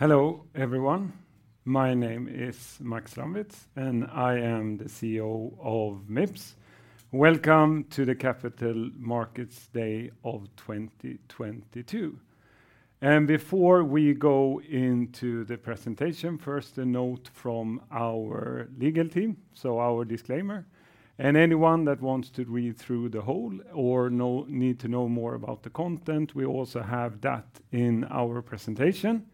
Hello, everyone. My name is Max Strandwitz, and I am the CEO of Mips. Welcome to the Capital Markets Day of 2022. Before we go into the presentation, first a note from our legal team, so our disclaimer. Anyone that wants to read through the whole or need to know more about the content, we also have that in our presentation.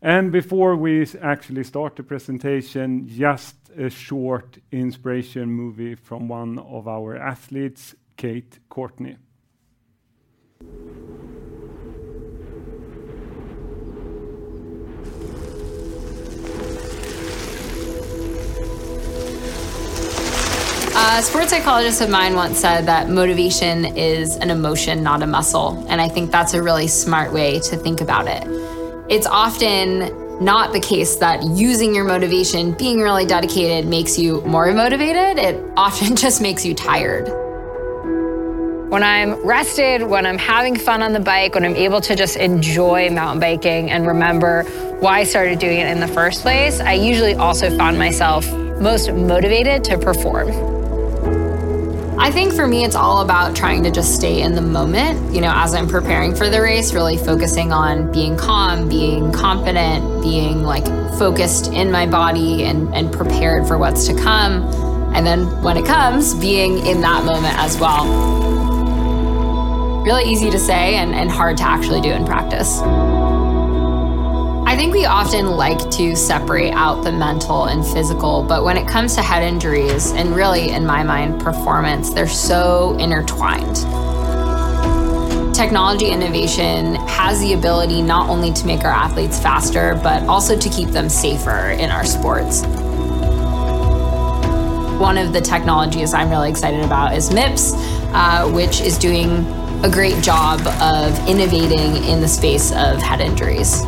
Before we actually start the presentation, just a short inspiration movie from one of our athletes, Kate Courtney. A sports psychologist of mine once said that motivation is an emotion, not a muscle, and I think that's a really smart way to think about it. It's often not the case that using your motivation, being really dedicated, makes you more motivated. It often just makes you tired. When I'm rested, when I'm having fun on the bike, when I'm able to just enjoy mountain biking and remember why I started doing it in the first place, I usually also find myself most motivated to perform. I think, for me, it's all about trying to just stay in the moment, you know, as I'm preparing for the race, really focusing on being calm, being confident, being, like, focused in my body and prepared for what's to come. And when it comes, being in that moment as well. Really easy to say, and hard to actually do in practice. I think we often like to separate out the mental and physical, but when it comes to head injuries, and really, in my mind, performance, they're so intertwined. Technology innovation has the ability not only to make our athletes faster, but also to keep them safer in our sports. One of the technologies I'm really excited about is Mips, which is doing a great job of innovating in the space of head injuries.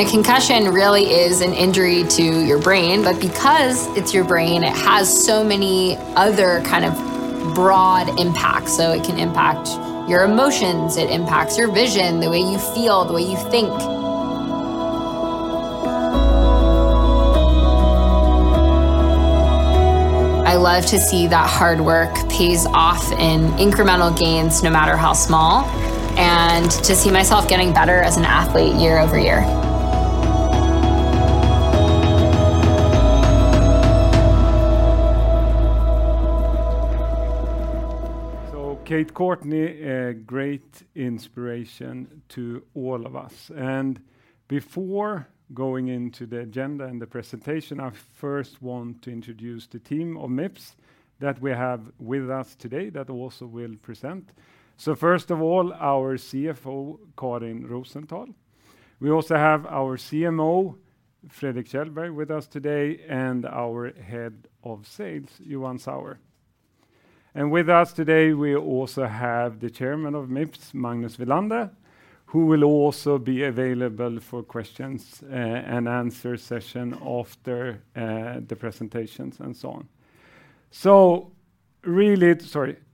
A concussion really is an injury to your brain, but because it's your brain, it has so many other kind of broad impacts. It can impact your emotions, it impacts your vision, the way you feel, the way you think. I love to see that hard work pays off in incremental gains, no matter how small, and to see myself getting better as an athlete year over year. Kate Courtney, a great inspiration to all of us. Before going into the agenda and the presentation, I first want to introduce the team of Mips that we have with us today that also will present. First of all, our CFO, Karin Rosenthal. We also have our CMO, Fredrik Kjellberg, with us today, and our Head of Sales, Johan Sauer. With us today, we also have the Chairman of Mips, Magnus Welander, who will also be available for questions-and-answer session after the presentations, and so on.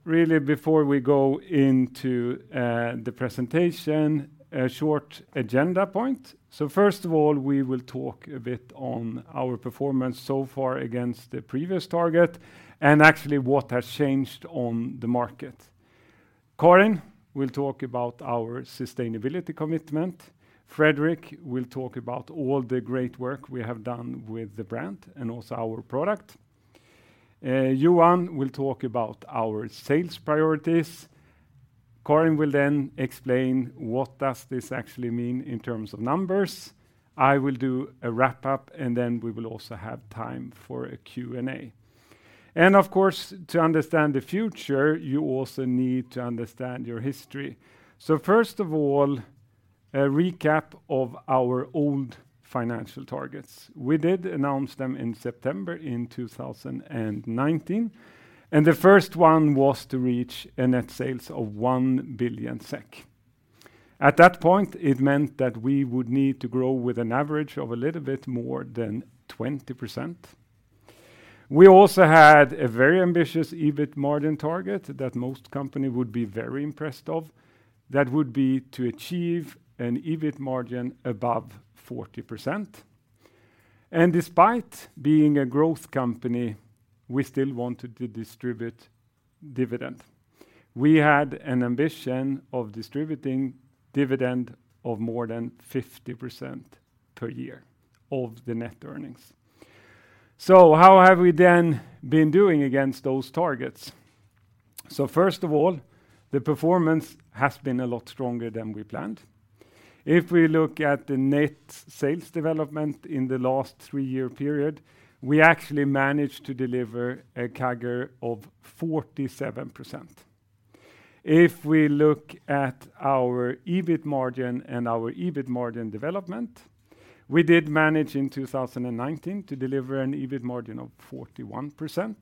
Really, before we go into the presentation, a short agenda point. First of all, we will talk a bit on our performance so far against the previous target, and actually what has changed on the market. Karin will talk about our sustainability commitment. Fredrik will talk about all the great work we have done with the brand and also our product. Johan will talk about our sales priorities. Karin will then explain what does this actually mean in terms of numbers. I will do a wrap-up, and then we will also have time for a Q&A. Of course, to understand the future, you also need to understand your history. First of all, a recap of our old financial targets. We did announce them in September 2019, and the first one was to reach net sales of 1 billion SEK. At that point, it meant that we would need to grow with an average of a little bit more than 20%. We also had a very ambitious EBIT margin target that most company would be very impressed of. That would be to achieve an EBIT margin above 40%. Despite being a growth company, we still wanted to distribute dividend. We had an ambition of distributing dividend of more than 50% per year of the net earnings. How have we then been doing against those targets? First of all, the performance has been a lot stronger than we planned. If we look at the net sales development in the last three-year period, we actually managed to deliver a CAGR of 47%. If we look at our EBIT margin and our EBIT margin development, we did manage in 2019 to deliver an EBIT margin of 41%.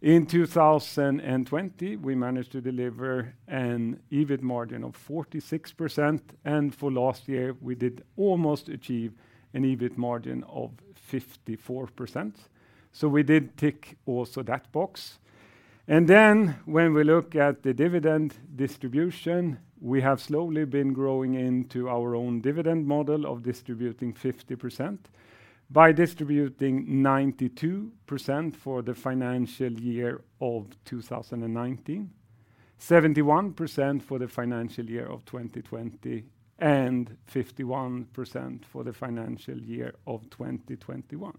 In 2020, we managed to deliver an EBIT margin of 46%, and for last year, we did almost achieve an EBIT margin of 54%. We did tick also that box. Then when we look at the dividend distribution, we have slowly been growing into our own dividend model of distributing 50% by distributing 92% for the financial year of 2019, 71% for the financial year of 2020, and 51% for the financial year of 2021.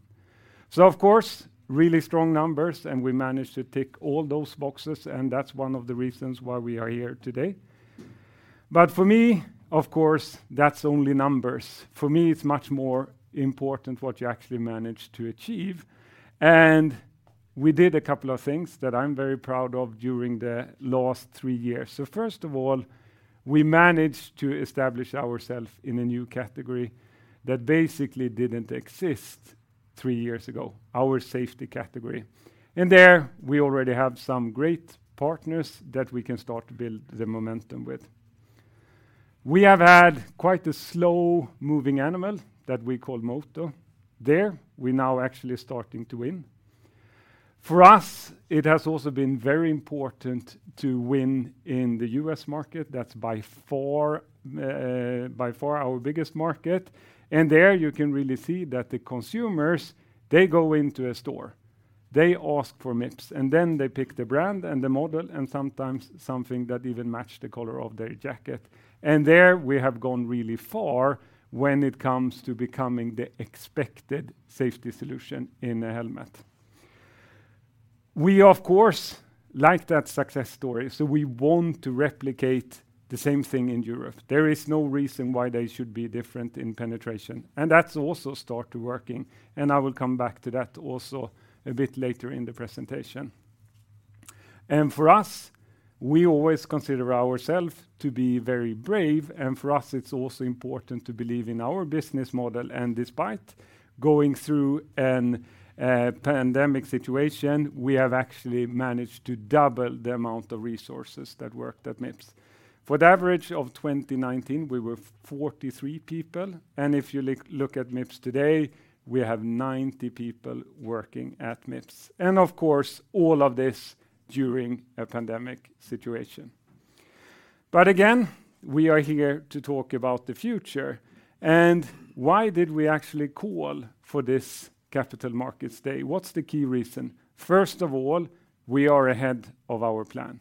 Of course, really strong numbers, and we managed to tick all those boxes, and that's one of the reasons why we are here today. For me, of course, that's only numbers. For me, it's much more important what you actually manage to achieve, and we did a couple of things that I'm very proud of during the last three years. First of all, we managed to establish ourself in a new category that basically didn't exist three years ago, our safety category. There, we already have some great partners that we can start to build the momentum with. We have had quite a slow-moving animal that we call Moto. There, we're now actually starting to win. For us, it has also been very important to win in the U.S. market. That's by far, by far our biggest market. There, you can really see that the consumers, they go into a store, they ask for Mips, and then they pick the brand and the model, and sometimes something that even match the color of their jacket. There, we have gone really far when it comes to becoming the expected safety solution in a helmet. We, of course, like that success story, so we want to replicate the same thing in Europe. There is no reason why they should be different in penetration, and that's also starting to work, and I will come back to that also a bit later in the presentation. For us, we always consider ourselves to be very brave, and for us, it's also important to believe in our business model. Despite going through a pandemic situation, we have actually managed to double the amount of resources that worked at Mips. For the average of 2019, we were 43 people, and if you look at Mips today, we have 90 people working at Mips. Of course, all of this during a pandemic situation. Again, we are here to talk about the future and why did we actually call for this Capital Markets Day? What's the key reason? First of all, we are ahead of our plan.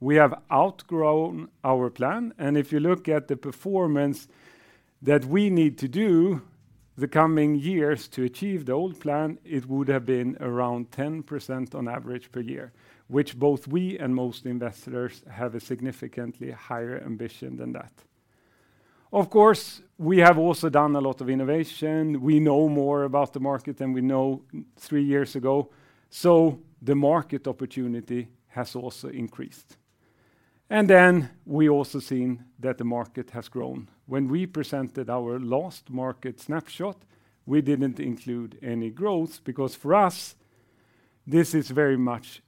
We have outgrown our plan, and if you look at the performance that we need to do the coming years to achieve the old plan, it would have been around 10% on average per year, which both we and most investors have a significantly higher ambition than that. Of course, we have also done a lot of innovation. We know more about the market than we know three years ago, so the market opportunity has also increased. We also seen that the market has grown. When we presented our last market snapshot, we didn't include any growth because, for us, this is very much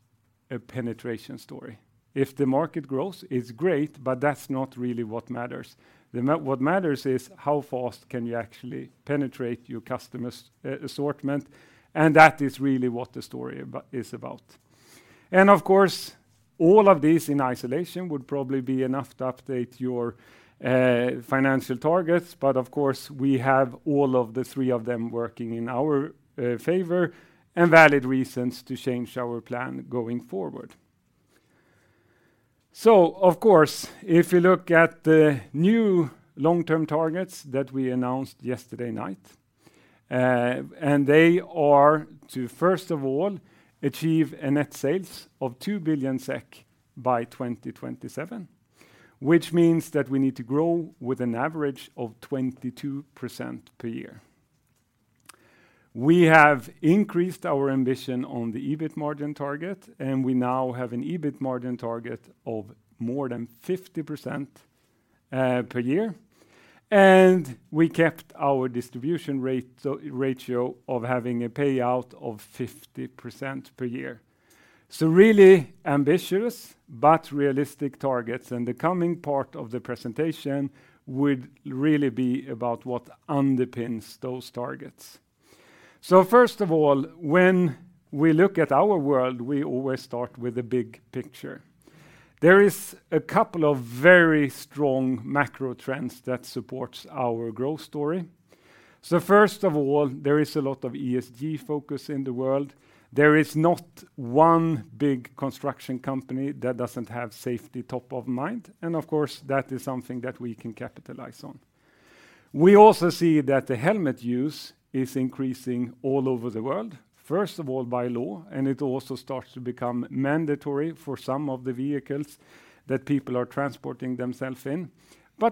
a penetration story. If the market grows, it's great, but that's not really what matters. What matters is how fast can you actually penetrate your customers' assortment, and that is really what the story is about. Of course, all of this in isolation would probably be enough to update your financial targets. Of course, we have all of the three of them working in our favor, and valid reasons to change our plan going forward. Of course, if you look at the new long-term targets that we announced yesterday night, and they are to, first of all, achieve a net sales of 2 billion SEK by 2027, which means that we need to grow with an average of 22% per year. We have increased our ambition on the EBIT margin target, and we now have an EBIT margin target of more than 50% per year. We kept our distribution rate ratio of having a payout of 50% per year. Really ambitious but realistic targets, and the coming part of the presentation would really be about what underpins those targets. First of all, when we look at our world, we always start with the big picture. There is a couple of very strong macro trends that supports our growth story. First of all, there is a lot of ESG focus in the world. There is not one big construction company that doesn't have safety top of mind, and of course, that is something that we can capitalize on. We also see that the helmet use is increasing all over the world, first of all by law, and it also starts to become mandatory for some of the vehicles that people are transporting themselves in.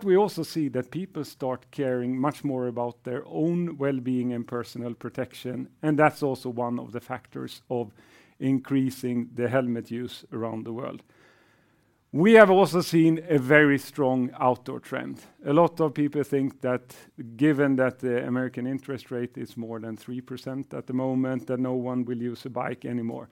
We also see that people start caring much more about their own wellbeing and personal protection, and that's also one of the factors of increasing the helmet use around the world. We have also seen a very strong outdoor trend. A lot of people think that, given that the American interest rate is more than 3% at the moment, that no one will use a bike anymore.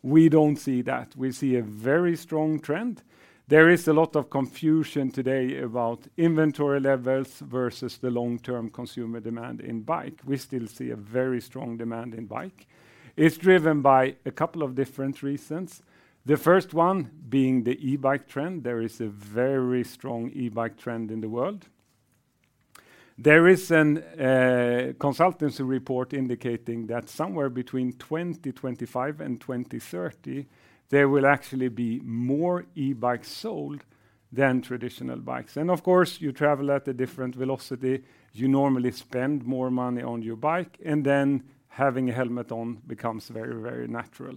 We don't see that. We see a very strong trend. There is a lot of confusion today about inventory levels versus the long-term consumer demand in bike. We still see a very strong demand in bike. It's driven by a couple of different reasons. The first one being the e-bike trend. There is a very strong e-bike trend in the world. There is a consultancy report indicating that somewhere between 2025 and 2030, there will actually be more e-bikes sold than traditional bikes. Of course, you travel at a different velocity, you normally spend more money on your bike, and then having a helmet on becomes very, very natural.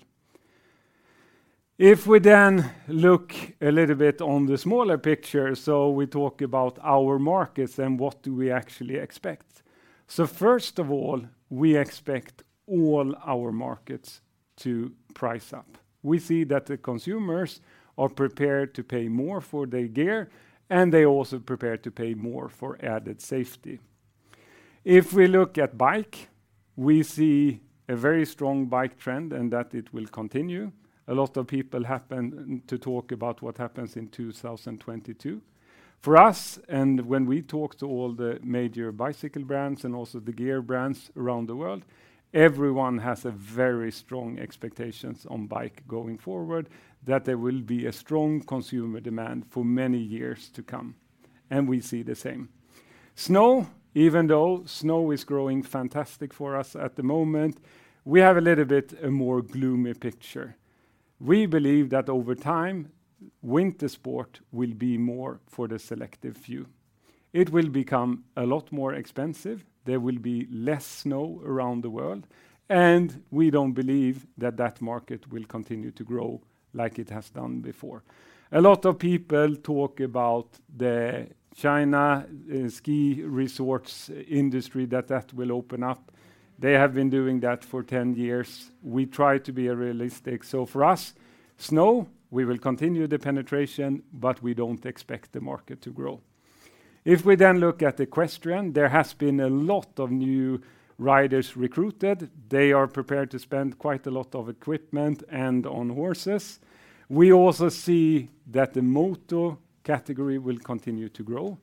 If we look a little bit on the smaller picture, we talk about our markets and what do we actually expect. First of all, we expect all our markets to price up. We see that the consumers are prepared to pay more for their gear, and they're also prepared to pay more for added safety. If we look at bike, we see a very strong bike trend, and that it will continue. A lot of people happen to talk about what happens in 2022. For us, when we talk to all the major bicycle brands and also the gear brands around the world, everyone has a very strong expectations on bike going forward, that there will be a strong consumer demand for many years to come. We see the same. Snow, even though Snow is growing fantastic for us at the moment, we have a little bit, a more gloomy picture. We believe that over time, winter sport will be more for the selective few. It will become a lot more expensive, there will be less Snow around the world, and we don't believe that market will continue to grow like it has done before. A lot of people talk about the Chinese ski resorts industry that will open up. They have been doing that for 10 years. We try to be realistic. For us, Snow, we will continue the penetration, but we don't expect the market to grow. If we, then, look at equestrian, there has been a lot of new riders recruited. They are prepared to spend quite a lot of equipment and on horses. We also see that the motor category will continue to grow.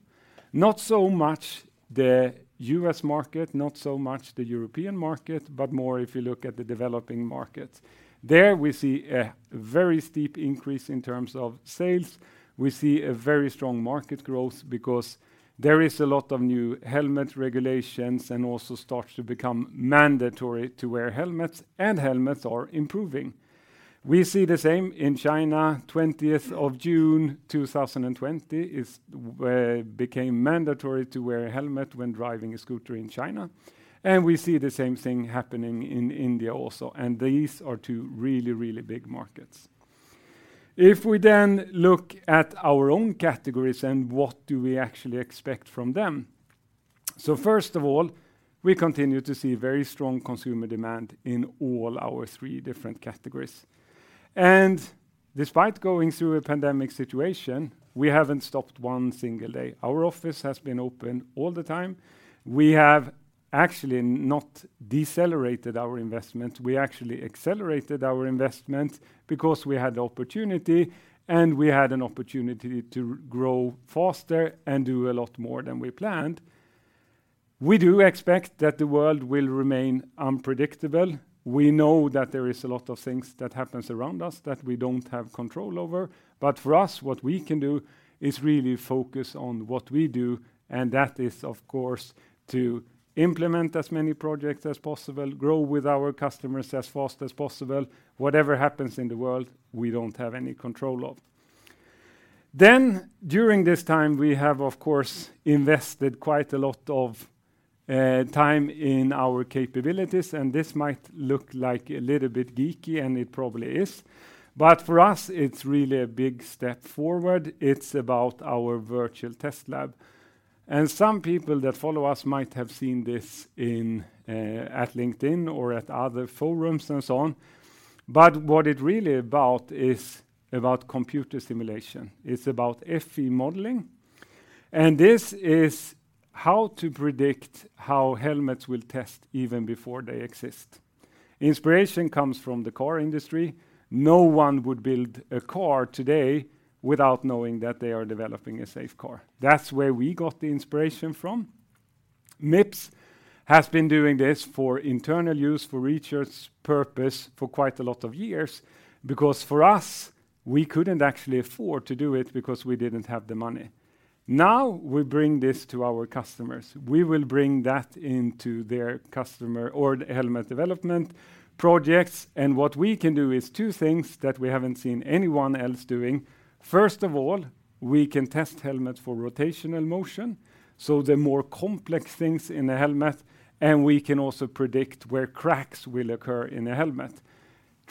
Not so much the U.S. market, not so much the European market, but more if you look at the developing markets. There, we see a very steep increase in terms of sales. We see a very strong market growth because there is a lot of new helmet regulations, and also starts to become mandatory to wear helmets, and helmets are improving. We see the same in China. 20th of June 2020, became mandatory to wear a helmet when driving a scooter in China. We see the same thing happening in India also. These are two really, really big markets. If we, then, look at our own categories, what do we actually expect from them? First of all, we continue to see very strong consumer demand in all our three different categories. Despite going through a pandemic situation, we haven't stopped one single day. Our office has been open all the time. We have actually not decelerated our investment. We actually accelerated our investment because we had the opportunity, and we had an opportunity to grow faster and do a lot more than we planned. We do expect that the world will remain unpredictable. We know that there is a lot of things that happens around us that we don't have control over. For us, what we can do is really focus on what we do, and that is, of course, to implement as many projects as possible, grow with our customers as fast as possible. Whatever happens in the world, we don't have any control of. During this time, we have, of course, invested quite a lot of time in our capabilities, and this might look like a little bit geeky, and it probably is. For us, it's really a big step forward. It's about our virtual test lab. Some people that follow us might have seen this on LinkedIn or at other forums and so on. What it really about is computer simulation. It's about FE modeling. This is how to predict how helmets will test even before they exist. Inspiration comes from the car industry. No one would build a car today without knowing that they are developing a safe car. That's where we got the inspiration from. Mips has been doing this for internal use, for research purpose, for quite a lot of years, because, for us, we couldn't actually afford to do it because we didn't have the money. Now, we bring this to our customers. We will bring that into their customer or helmet development projects. What we can do is two things that we haven't seen anyone else doing. First of all, we can test helmets for rotational motion, so the more complex things in the helmet, and we can also predict where cracks will occur in the helmet.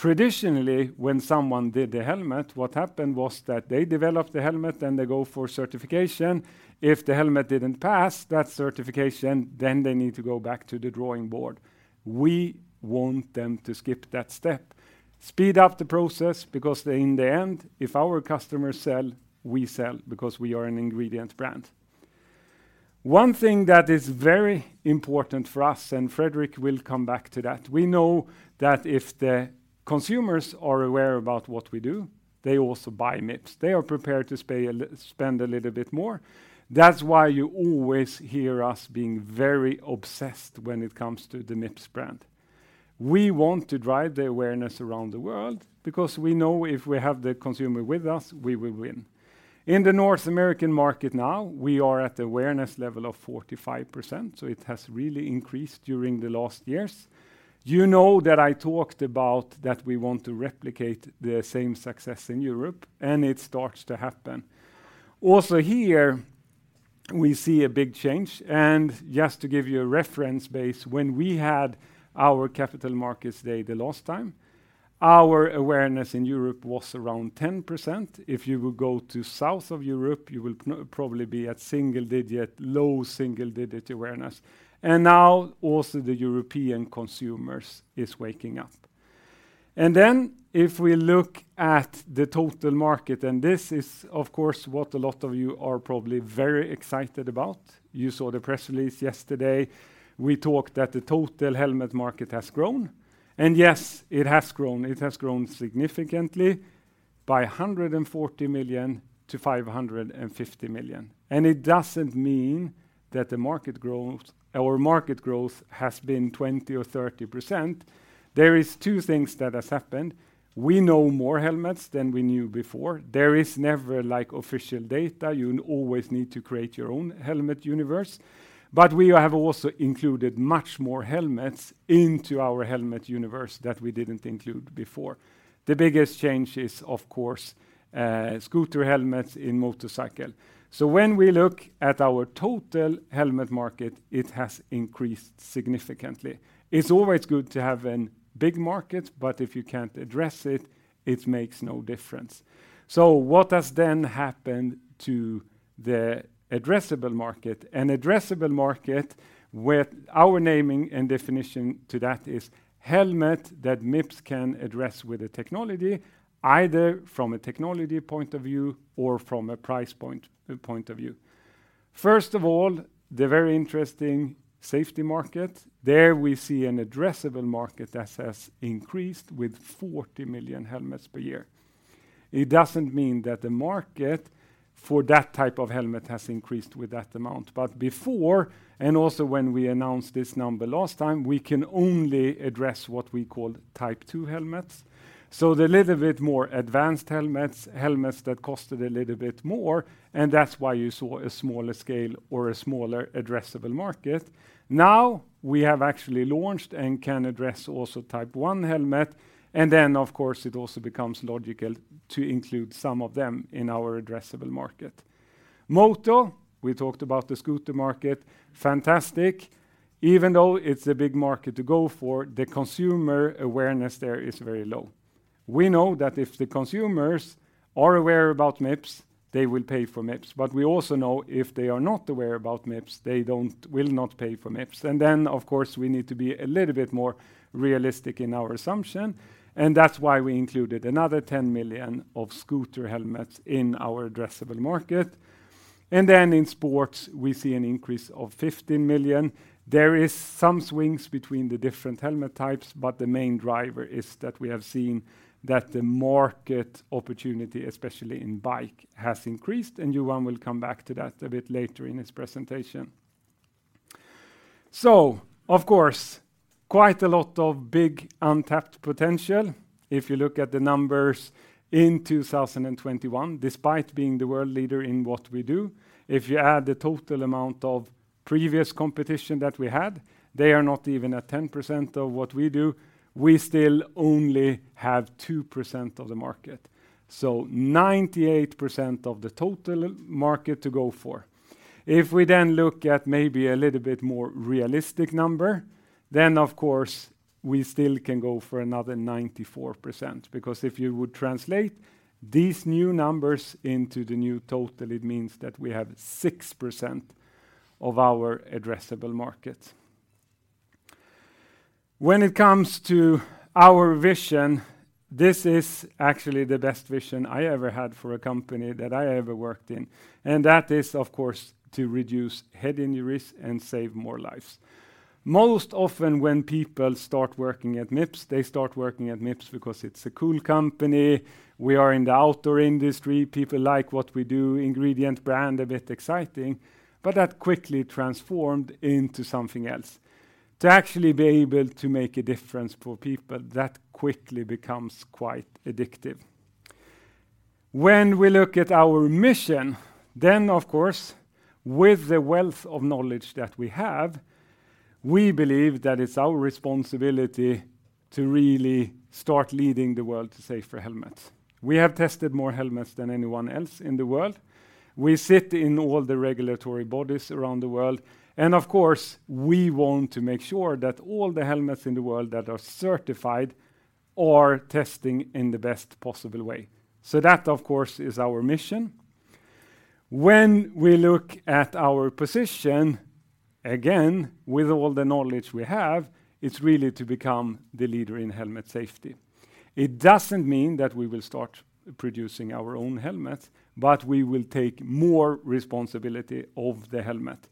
Traditionally, when someone did the helmet, what happened was that they develop the helmet and they go for certification. If the helmet didn't pass that certification, then they need to go back to the drawing board. We want them to skip that step, speed up the process because, in the end, if our customers sell, we sell because we are an ingredient brand. One thing that is very important for us, and Fredrik will come back to that, we know that if the consumers are aware about what we do, they also buy Mips. They are prepared to spend a little bit more. That's why you always hear us being very obsessed when it comes to the Mips brand. We want to drive the awareness around the world, because we know if we have the consumer with us, we will win. In the North American market now, we are at awareness level of 45%, so it has really increased during the last years. You know that I talked about that we want to replicate the same success in Europe, and it starts to happen. Also here, we see a big change, and just to give you a reference base, when we had our Capital Markets Day the last time, our awareness in Europe was around 10%. If you would go to south of Europe, you will probably be at single-digit, low single-digit awareness. Now, also the European consumers is waking up. Then if we look at the total market--and this is, of course, what a lot of you are probably very excited about. You saw the press release yesterday. We talked that the total helmet market has grown. Yes, it has grown, it has grown significantly by 140 million to 550 million. It doesn't mean that the market growth, our market growth has been 20% or 30%. There are two things that have happened. We know more helmets than we knew before. There is never, like, official data. You always need to create your own helmet universe. We have also included much more helmets into our helmet universe that we didn't include before. The biggest change is, of course, scooter and motorcycle helmets. When we look at our total helmet market, it has increased significantly. It's always good to have a big market, but if you can't address it, it makes no difference. What has then happened to the addressable market? An addressable market with our naming, and definition to that is helmets that Mips can address with the technology, either from a technology point of view or from a price point of view. First of all, the very interesting safety market. There, we see an addressable market that has increased with 40 million helmets per year. It doesn't mean that the market for that type of helmet has increased with that amount. Before, and also when we announced this number last time, we can only address what we call Type II helmets. The little bit more advanced helmets that cost a little bit more, and that's why you saw a smaller scale or a smaller addressable market. Now, we have actually launched and can address also Type I helmet, and then, of course, it also becomes logical to include some of them in our addressable market. Moto, we talked about the scooter market, fantastic. Even though it's a big market to go for, the consumer awareness there is very low. We know that if the consumers are aware about Mips, they will pay for Mips. We also know if they are not aware about Mips, they don't, will not pay for Mips. Of course, we need to be a little bit more realistic in our assumption, and that's why we included another 10 million of scooter helmets in our addressable market. In sports, we see an increase of 15 million. There is some swings between the different helmet types, but the main driver is that we have seen that the market opportunity, especially in bike, has increased. Johan will come back to that a bit later in his presentation. Of course, quite a lot of big untapped potential if you look at the numbers in 2021, despite being the world leader in what we do. If you add the total amount of previous competition that we had, they are not even at 10% of what we do. We still only have 2% of the market. 98% of the total market to go for. If we then look at maybe a little bit more realistic number, then of course we still can go for another 94%, because if you would translate these new numbers into the new total, it means that we have 6% of our addressable market. When it comes to our vision, this is actually the best vision I ever had for a company that I ever worked in, and that is, of course, to reduce head injuries and save more lives. Most often, when people start working at Mips, they start working at Mips because it's a cool company. We are in the outdoor industry. People like what we do, ingredient brand, a bit exciting, but that quickly transformed into something else. To actually be able to make a difference for people, that quickly becomes quite addictive. When we look at our mission, then of course with the wealth of knowledge that we have, we believe that it's our responsibility to really start leading the world to safer helmets. We have tested more helmets than anyone else in the world. We sit in all the regulatory bodies around the world. Of course, we want to make sure that all the helmets in the world that are certified are testing in the best possible way. That, of course, is our mission. When we look at our position, again, with all the knowledge we have, it's really to become the leader in helmet safety. It doesn't mean that we will start producing our own helmets, but we will take more responsibility of the helmet.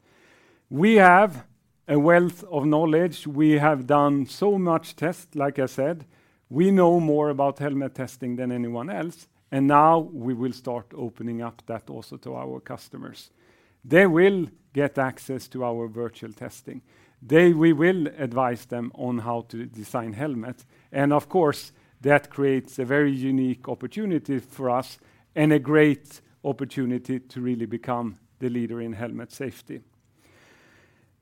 We have a wealth of knowledge. We have done so much tests, like I said. We know more about helmet testing than anyone else, and now we will start opening up that also to our customers. They will get access to our virtual testing. We will advise them on how to design helmets, and of course, that creates a very unique opportunity for us and a great opportunity to really become the leader in helmet safety.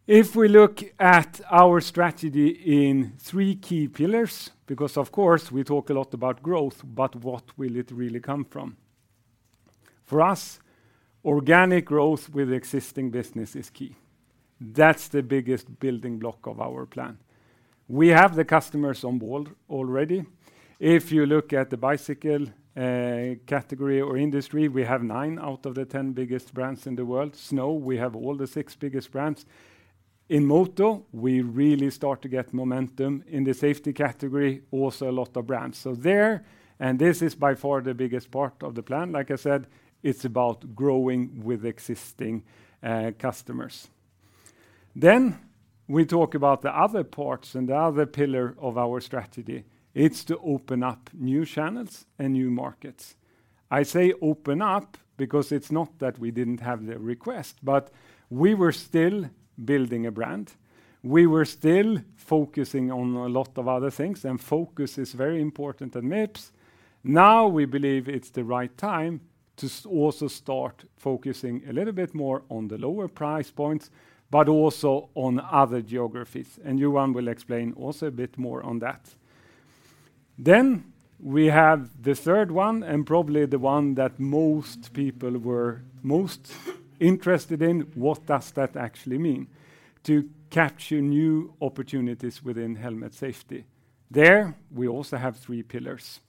If we look at our strategy in three key pillars, because of course, we talk a lot about growth, but what will it really come from? For us, organic growth with existing business is key. That's the biggest building block of our plan. We have the customers on board already. If you look at the bicycle category or industry, we have nine out of the 10 biggest brands in the world. Snow, we have all the six biggest brands. In Moto, we really start to get momentum. In the safety category, also a lot of brands. There, and this is by far the biggest part of the plan, like I said, it's about growing with existing customers. We talk about the other parts and the other pillar of our strategy. It's to open up new channels and new markets. I say open up because it's not that we didn't have the request, but we were still building a brand. We were still focusing on a lot of other things, and focus is very important at Mips. Now, we believe it's the right time to also start focusing a little bit more on the lower price points, but also on other geographies. Johan will explain also a bit more on that. We have the third one, and probably the one that most people were most interested in. What does that actually mean? To capture new opportunities within helmet safety. There, we also have three pillars.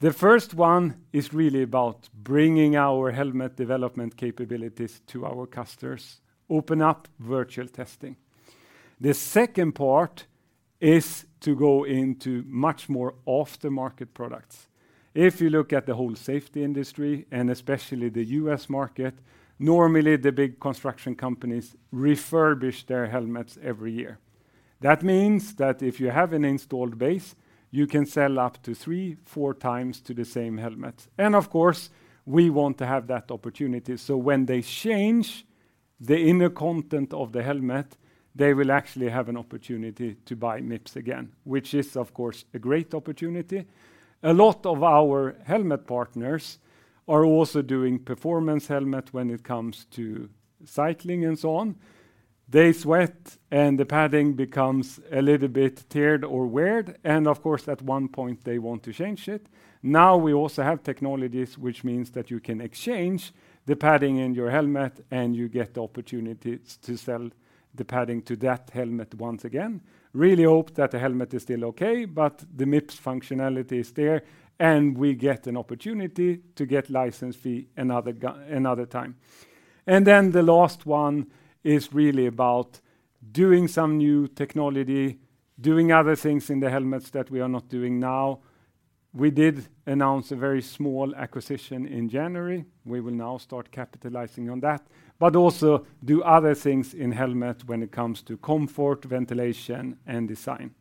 The first one is really about bringing our helmet development capabilities to our customers, open up virtual testing. The second part is to go into much more aftermarket products. If you look at the whole safety industry, and especially the U.S. market, normally the big construction companies refurbish their helmets every year. That means that if you have an installed base, you can sell up to 3x to 4x to the same helmets. Of course, we want to have that opportunity. When they change the inner content of the helmet, they will actually have an opportunity to buy Mips again, which is, of course, a great opportunity. A lot of our helmet partners are also doing performance helmet when it comes to cycling and so on. They sweat and the padding becomes a little bit teared or weird, and of course, at one point, they want to change it. Now, we also have technologies which means that you can exchange the padding in your helmet, and you get the opportunity to sell the padding to that helmet once again. Really hope that the helmet is still okay, but the Mips functionality is there, and we get an opportunity to get license fee another time. Then the last one is really about doing some new technology, doing other things in the helmets that we are not doing now. We did announce a very small acquisition in January. We will now start capitalizing on that, but also do other things in helmet when it comes to comfort, ventilation, and design.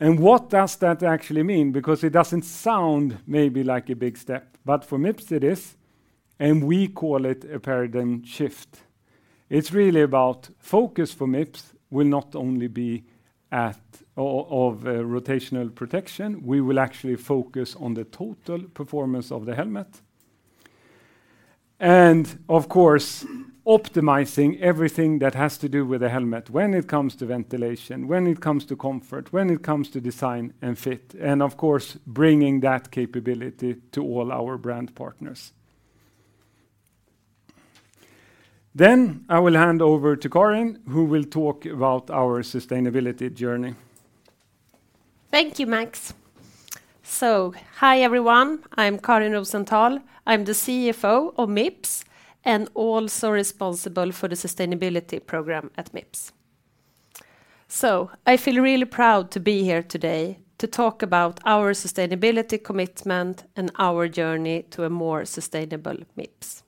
What does that actually mean? Because it doesn't sound maybe like a big step, but for Mips it is, and we call it a paradigm shift. It's really about focus for Mips will not only be on rotational protection, we will actually focus on the total performance of the helmet. Of course, optimizing everything that has to do with the helmet when it comes to ventilation, when it comes to comfort, when it comes to design and fit, and of course, bringing that capability to all our brand partners. I will hand over to Karin, who will talk about our sustainability journey. Thank you, Max. Hi, everyone. I'm Karin Rosenthal. I'm the CFO of Mips, and also responsible for the sustainability program at Mips. I feel really proud to be here today to talk about our sustainability commitment and our journey to a more sustainable Mips.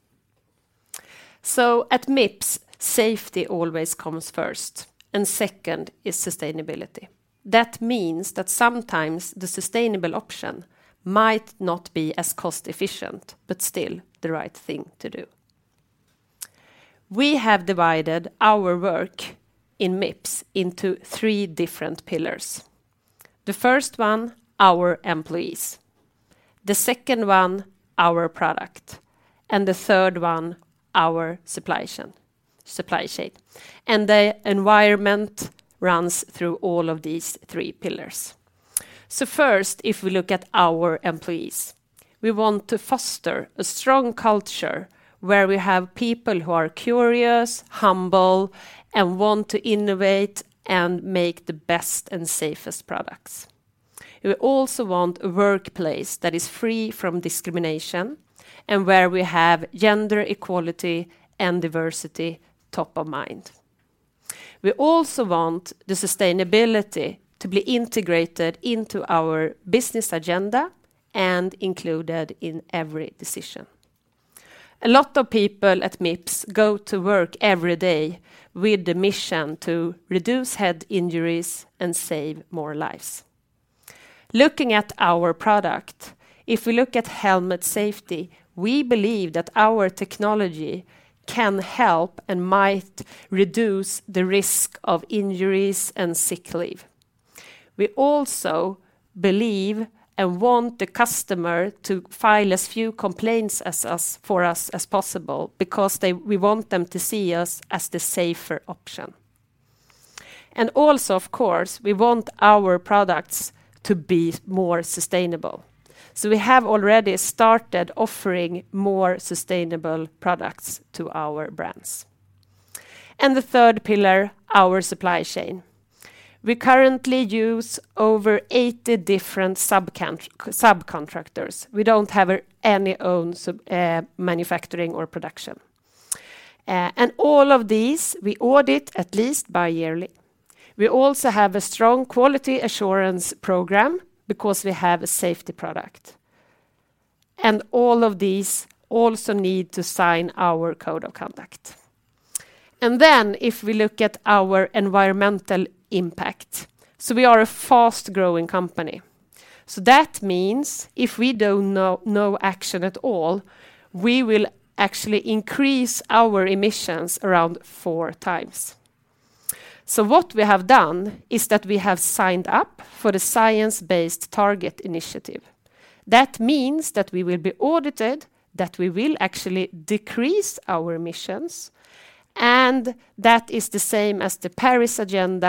At Mips, safety always comes first, and second is sustainability. That means that sometimes the sustainable option might not be as cost efficient, but still the right thing to do. We have divided our work in Mips into three different pillars. The first one, our employees; the second one, our product; and the third one, our supply chain. The environment runs through all of these three pillars. First, if we look at our employees, we want to foster a strong culture where we have people who are curious, humble, and want to innovate and make the best and safest products. We also want a workplace that is free from discrimination and where we have gender equality and diversity top of mind. We also want the sustainability to be integrated into our business agenda and included in every decision. A lot of people at Mips go to work every day with the mission to reduce head injuries and save more lives. Looking at our product, if we look at helmet safety, we believe that our technology can help and might reduce the risk of injuries and sick leave. We also believe and want the customer to file as few complaints for us as possible because we want them to see us as the safer option. Also, of course, we want our products to be more sustainable. We have already started offering more sustainable products to our brands. The third pillar, our supply chain. We currently use over 80 different subcontractors. We don't have any own manufacturing or production. All of these we audit at least bi-yearly. We also have a strong quality assurance program because we have a safety product. All of these also need to sign our Code of Conduct. If we look at our environmental impact, we are a fast-growing company. That means if we take no action at all, we will actually increase our emissions around four times. What we have done is that we have signed up for the Science Based Targets Initiative. That means that we will be audited, that we will actually decrease our emissions, and that is the same as the Paris Agreement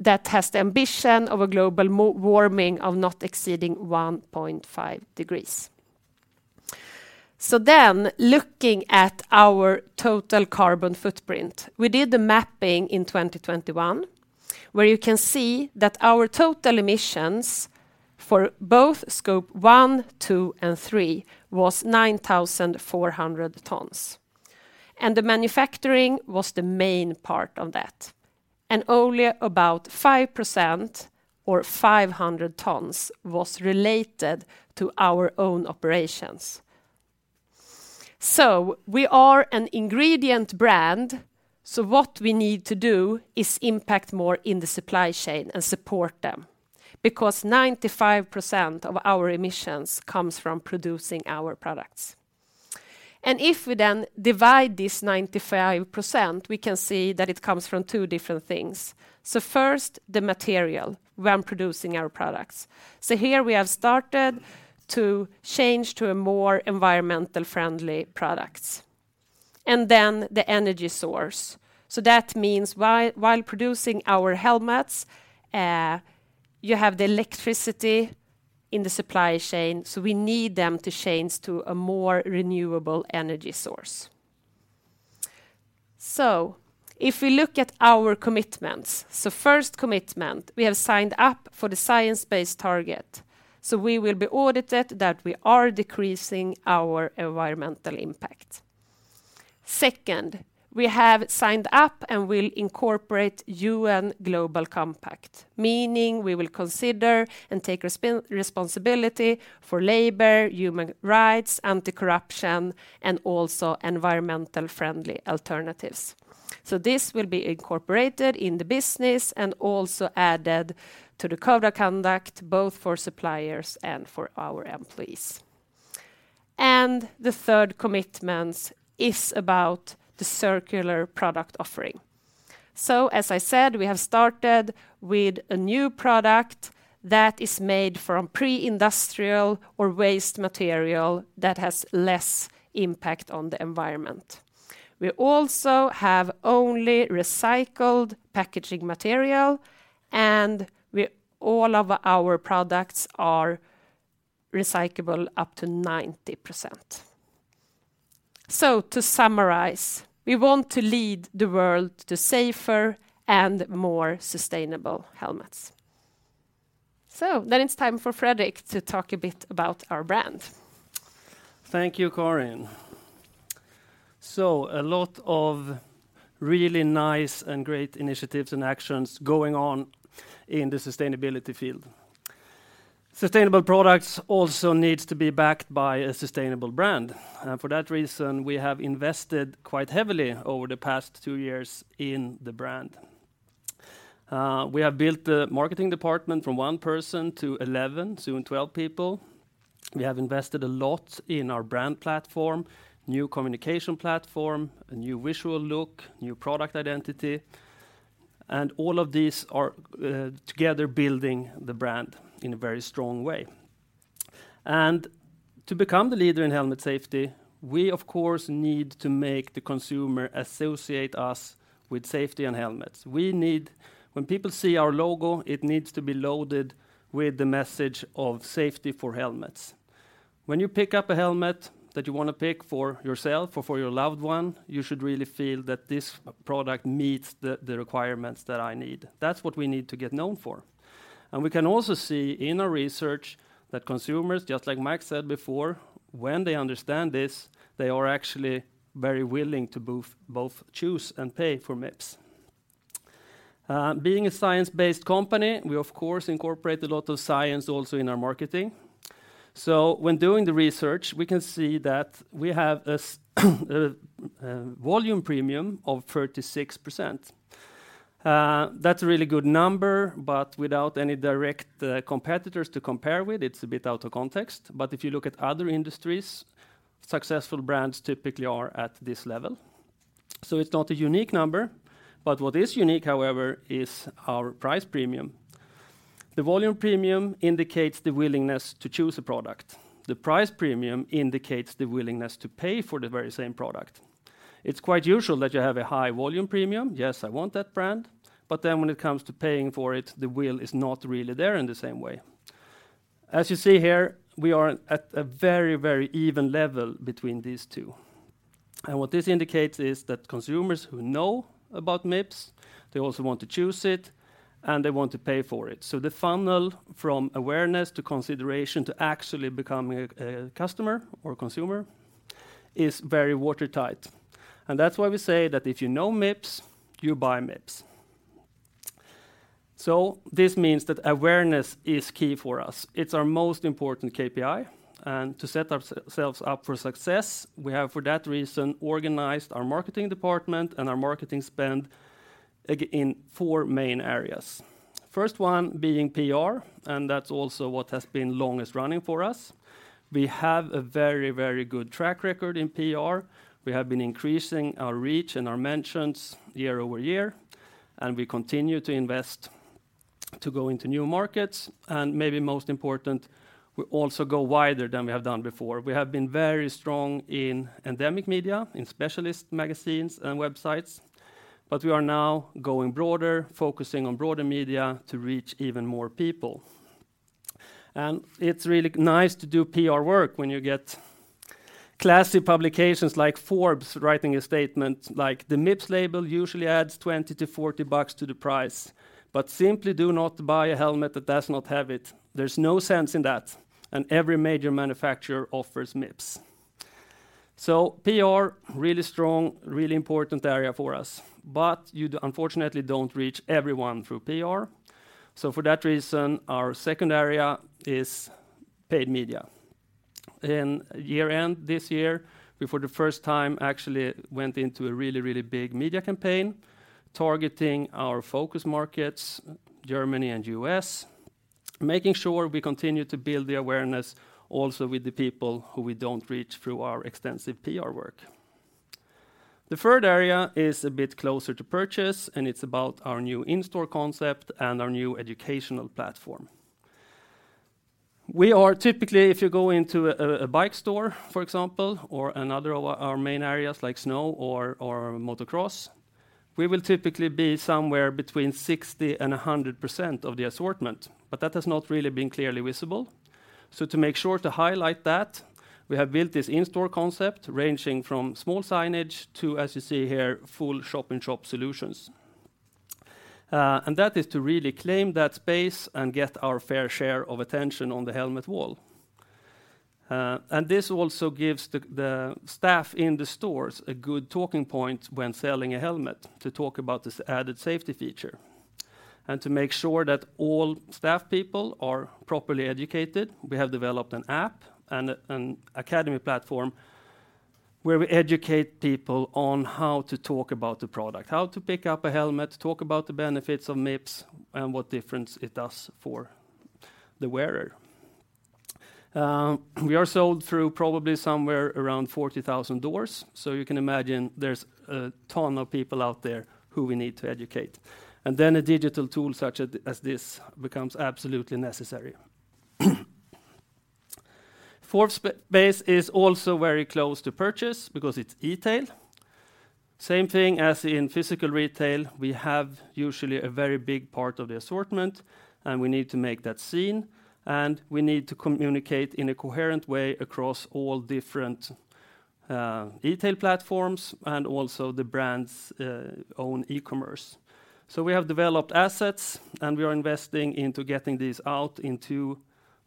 that has the ambition of global warming of not exceeding 1.5 degrees. Looking at our total carbon footprint, we did the mapping in 2021, where you can see that our total emissions for both Scope 1, 2, and 3 was 9,400 tons. The manufacturing was the main part of that, and only about 5% or 500 tons was related to our own operations. We are an ingredient brand, so what we need to do is impact more in the supply chain and support them because 95% of our emissions comes from producing our products. If we then divide this 95%, we can see that it comes from two different things. First, the material when producing our products. Here, we have started to change to a more environmentally friendly products. Then, the energy source. That means while producing our helmets, you have the electricity in the supply chain, so we need them to change to a more renewable energy source. If we look at our commitments. First commitment, we have signed up for the Science Based Target, so we will be audited that we are decreasing our environmental impact. Second, we have signed up and will incorporate UN Global Compact, meaning we will consider and take responsibility for labor, human rights, anti-corruption, and also environmentally-friendly alternatives. This will be incorporated in the business and also added to the Code of Conduct, both for suppliers and for our employees. The third commitments is about the circular product offering. As I said, we have started with a new product that is made from pre-industrial or waste material that has less impact on the environment. We also have only recycled packaging material, and all of our products are recyclable up to 90%. To summarize, we want to lead the world to safer and more sustainable helmets. Now, it's time for Fredrik to talk a bit about our brand. Thank you, Karin. A lot of really nice and great initiatives and actions going on in the sustainability field. Sustainable products also needs to be backed by a sustainable brand, and for that reason, we have invested quite heavily over the past two years in the brand. We have built the marketing department from one person to 11, soon 12 people. We have invested a lot in our brand platform, new communication platform, a new visual look, new product identity, and all of these are together building the brand in a very strong way. To become the leader in helmet safety, we of course need to make the consumer associate us with safety and helmets. When people see our logo, it needs to be loaded with the message of safety for helmets. When you pick up a helmet that you want to pick for yourself or for your loved one, you should really feel that this product meets the requirements that I need. That's what we need to get known for. We can also see in our research that consumers, just like Max said before, when they understand this, they are actually very willing to both choose and pay for Mips. Being a science-based company, we of course incorporate a lot of science also in our marketing. When doing the research, we can see that we have this volume premium of 36%. That's a really good number, but without any direct competitors to compare with, it's a bit out of context. If you look at other industries, successful brands typically are at this level. It's not a unique number, but what is unique, however, is our price premium. The volume premium indicates the willingness to choose a product. The price premium indicates the willingness to pay for the very same product. It's quite usual that you have a high volume premium, yes, I want that brand, but then when it comes to paying for it, the will is not really there in the same way. As you see here, we are at a very, very even level between these two. What this indicates is that consumers who know about Mips, they also want to choose it, and they want to pay for it. The funnel from awareness to consideration to actually becoming a customer or consumer is very watertight. That's why we say that if you know Mips, you buy Mips. This means that awareness is key for us. It's our most important KPI. To set ourselves up for success, we have, for that reason, organized our marketing department and our marketing spend in four main areas. First one being PR, and that's also what has been longest running for us. We have a very, very good track record in PR. We have been increasing our reach and our mentions year-over-year, and we continue to invest to go into new markets, and maybe most important, we also go wider than we have done before. We have been very strong in endemic media, in specialist magazines and websites, but we are now going broader, focusing on broader media to reach even more people. It's really nice to do PR work when you get classy publications like Forbes writing a statement like, "The Mips label usually adds $20-$40 to the price, but simply do not buy a helmet that does not have it. There's no sense in that, and every major manufacturer offers Mips." PR, really strong, really important area for us, but you unfortunately don't reach everyone through PR. For that reason, our second area is paid media. In year-end this year, we, for the first time, actually went into a really, really big media campaign targeting our focus markets, Germany and U.S., making sure we continue to build the awareness also with the people who we don't reach through our extensive PR work. The third area is a bit closer to purchase, and it's about our new in-store concept and our new educational platform. We are typically, if you go into a bike store, for example, or another of our main areas like snow or motocross, we will typically be somewhere between 60%-100% of the assortment, but that has not really been clearly visible. To make sure to highlight that, we have built this in-store concept ranging from small signage to, as you see here, full shop-in-shop solutions. That is to really claim that space and get our fair share of attention on the helmet wall. This also gives the staff in the stores a good talking point when selling a helmet to talk about this added safety feature. To make sure that all staff people are properly educated, we have developed an app and an academy platform where we educate people on how to talk about the product, how to pick up a helmet, talk about the benefits of Mips, and what difference it does for the wearer. We are sold through probably somewhere around 40,000 doors, so you can imagine there's a ton of people out there who we need to educate. A digital tool such as this becomes absolutely necessary. Fourth base is also very close to purchase because it's e-tail. Same thing as in physical retail, we have usually a very big part of the assortment, and we need to make that seen, and we need to communicate in a coherent way across all different e-tail platforms and also the brand's own e-commerce. We have developed assets, and we are investing into getting these out into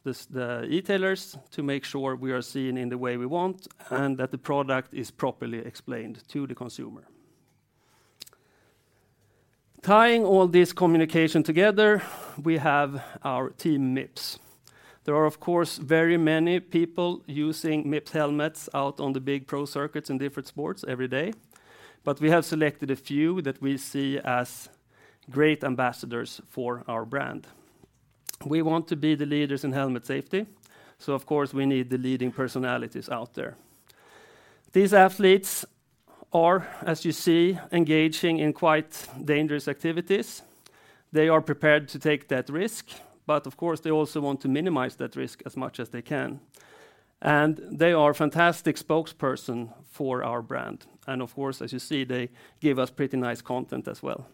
the e-tailers to make sure we are seen in the way we want and that the product is properly explained to the consumer. Tying all this communication together, we have our Team Mips. There are, of course, very many people using Mips helmets out on the big pro circuits in different sports every day, but we have selected a few that we see as great ambassadors for our brand. We want to be the leaders in helmet safety, so of course, we need the leading personalities out there. These athletes are, as you see, engaging in quite dangerous activities. They are prepared to take that risk, but of course, they also want to minimize that risk as much as they can. They are a fantastic spokesperson for our brand. Of course, as you see, they give us pretty nice content as well.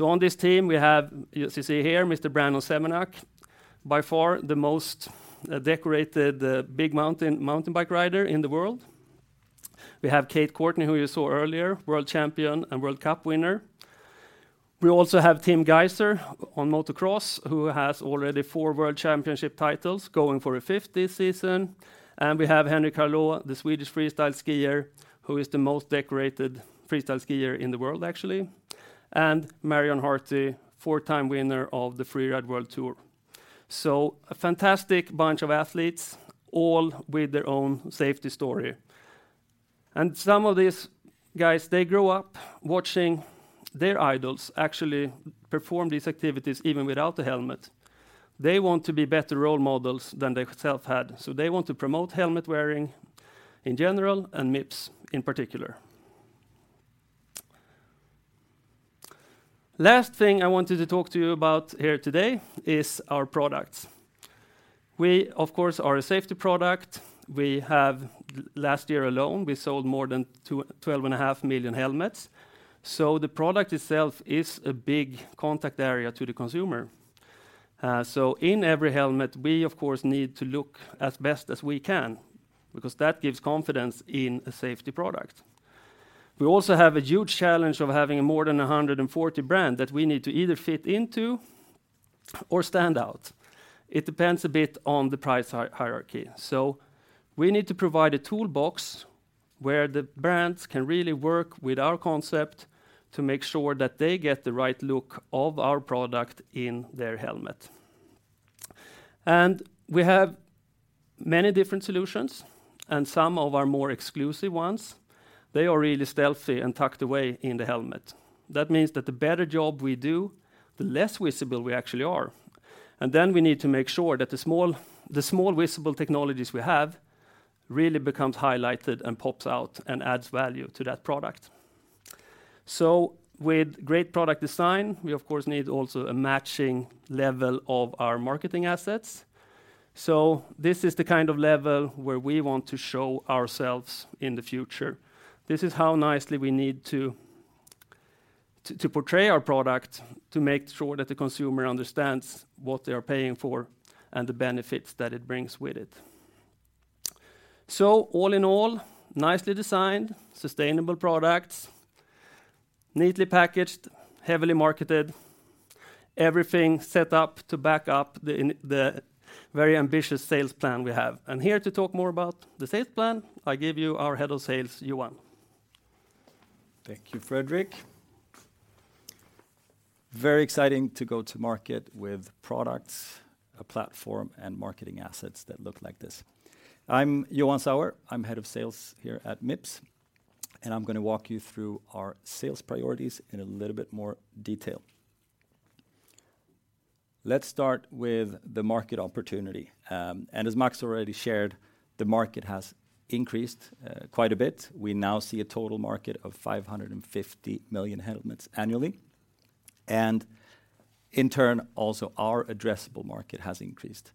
On this team, we have, you see here, Mr. Brandon Semenuk, by far the most decorated, big mountain mountain bike rider in the world. We have Kate Courtney, who you saw earlier, world champion and World Cup winner. We also have Tim Gajser on motocross, who has already four world championship titles, going for a fifth this season. We have Henrik Harlaut, the Swedish freestyle skier, who is the most decorated freestyle skier in the world, actually. Marion Haerty, four-time winner of the Freeride World Tour. A fantastic bunch of athletes, all with their own safety story. Some of these guys, they grew up watching their idols actually perform these activities, even without the helmet. They want to be better role models than themselves had. They want to promote helmet wearing in general, and Mips in particular. Last thing I wanted to talk to you about here today is our products. We, of course, are a safety product. We have, last year alone, we sold more than 12.5 million helmets. The product itself is a big contact area to the consumer. In every helmet, we of course, need to look as best as we can because that gives confidence in a safety product. We also have a huge challenge of having more than 140 brands that we need to either fit into or stand out. It depends a bit on the price hierarchy. We need to provide a toolbox where the brands can really work with our concept to make sure that they get the right look of our product in their helmet. We have many different solutions, and some of our more exclusive ones, they are really stealthy and tucked away in the helmet. That means that the better job we do, the less visible we actually are. We need to make sure that the small visible technologies we have really becomes highlighted and pops out and adds value to that product. With great product design, we of course need also a matching level of our marketing assets. This is the kind of level where we want to show ourselves in the future. This is how nicely we need to portray our product to make sure that the consumer understands what they are paying for and the benefits that it brings with it. All in all, nicely-designed, sustainable products, neatly-packaged, heavily-marketed, everything set up to back up the very ambitious sales plan we have. Here to talk more about the sales plan, I give you our Head of Sales, Johan. Thank you, Fredrik. Very exciting to go-to market with products, a platform, and marketing assets that look like this. I'm Johan Sauer. I'm Head of Sales here at Mips, and I'm gonna walk you through our sales priorities in a little bit more detail. Let's start with the market opportunity. As Max already shared, the market has increased quite a bit. We now see a total market of 550 million helmets annually, and in turn, also our addressable market has increased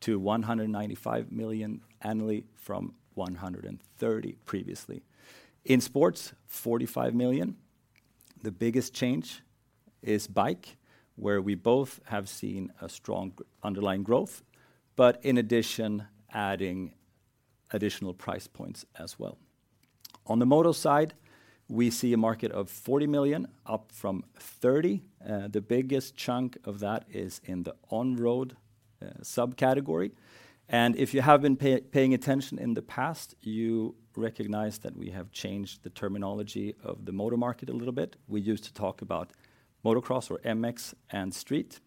to 195 million annually from 130 million previously. In sports, 45 million. The biggest change is bike, where we both have seen a strong underlying growth, but in addition, adding additional price points as well. On the moto side, we see a market of 40 million, up from 30 million. The biggest chunk of that is in the on-road subcategory. If you have been paying attention in the past, you recognize that we have changed the terminology of the motor market a little bit. We used to talk about motocross, or MX, and street.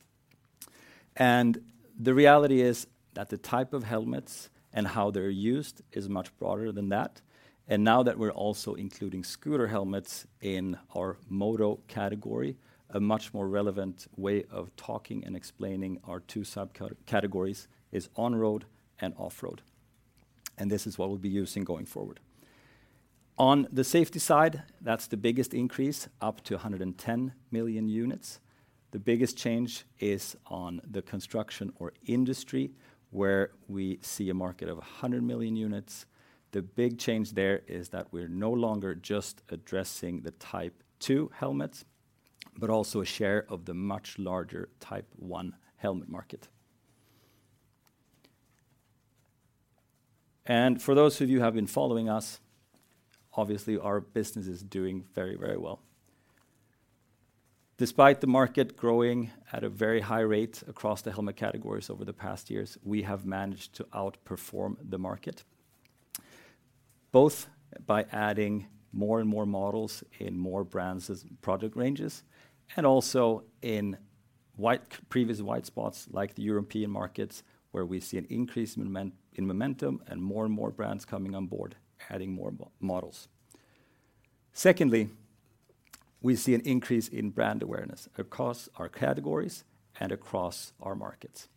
The reality is that the type of helmets and how they're used is much broader than that. Now that we're also including scooter helmets in our moto category, a much more relevant way of talking and explaining our two subcategories is on-road and off-road, and this is what we'll be using going forward. On the safety side, that's the biggest increase, up to 110 million units. The biggest change is on the construction or industry, where we see a market of 100 million units. The big change there is that we're no longer just addressing the Type II helmets, but also a share of the much larger Type I helmet market. For those of you who have been following us, obviously, our business is doing very, very well. Despite the market growing at a very high rate across the helmet categories over the past years, we have managed to outperform the market, both by adding more and more models in more brands' product ranges. Also in previous white spots like the European markets, where we see an increase in momentum, and more and more brands coming on board, adding more models. Secondly, we see an increase in brand awareness across our categories and across our markets.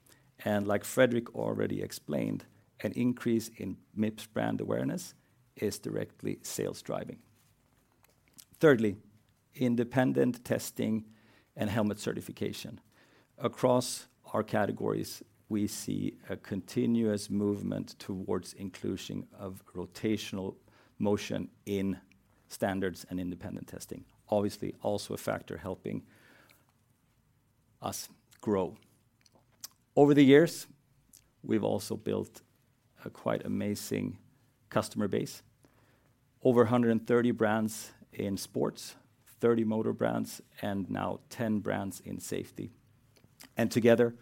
Like Fredrik already explained, an increase in Mips brand awareness is directly sales driving. Thirdly, independent testing and helmet certification. Across our categories, we see a continuous movement towards inclusion of rotational motion in standards and independent testing. Obviously, also a factor helping us grow. Over the years, we've also built a quite amazing customer base. Over 130 brands in sports, 30 motor brands, and now 10 brands in safety. Together,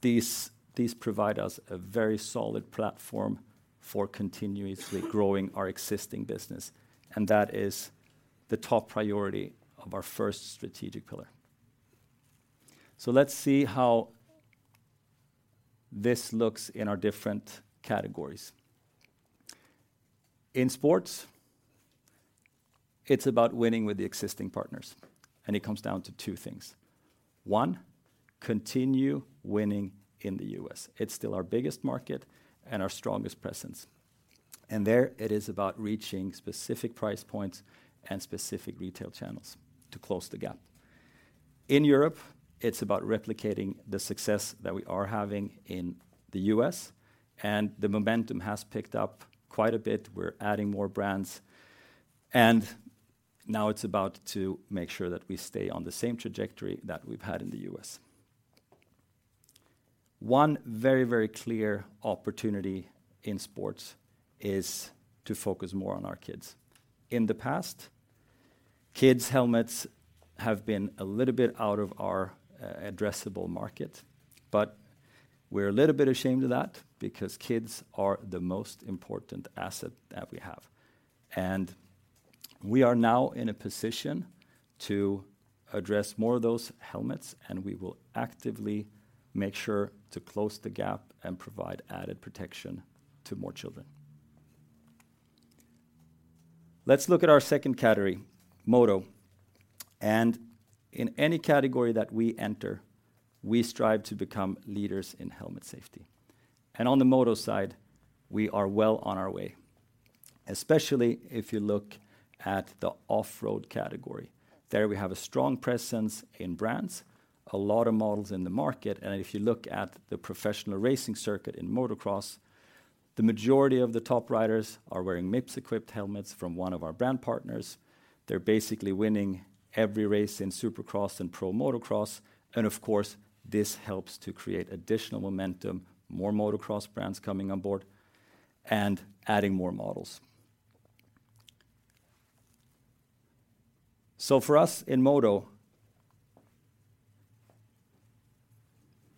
these provide us a very solid platform for continuously growing our existing business, and that is the top priority of our first strategic pillar. Let's see how this looks in our different categories. In sports, it's about winning with the existing partners, and it comes down to two things. One, continue winning in the U.S. It's still our biggest market and our strongest presence. There, it is about reaching specific price points and specific retail channels to close the gap. In Europe, it's about replicating the success that we are having in the U.S., and the momentum has picked up quite a bit. We're adding more brands, and now it's about to make sure that we stay on the same trajectory that we've had in the U.S. One very, very clear opportunity in sports is to focus more on our kids. In the past, kids' helmets have been a little bit out of our addressable market, but we're a little bit ashamed of that because kids are the most important asset that we have. We are now in a position to address more of those helmets, and we will actively make sure to close the gap and provide added protection to more children. Let's look at our second category, moto. In any category that we enter, we strive to become leaders in helmet safety. On the moto side, we are well on our way, especially if you look at the off-road category. There, we have a strong presence in brands, a lot of models in the market. If you look at the professional racing circuit in motocross, the majority of the top riders are wearing Mips-equipped helmets from one of our brand partners. They're basically winning every race in Supercross and Pro Motocross, and of course, this helps to create additional momentum, more motocross brands coming on board and adding more models. For us in moto,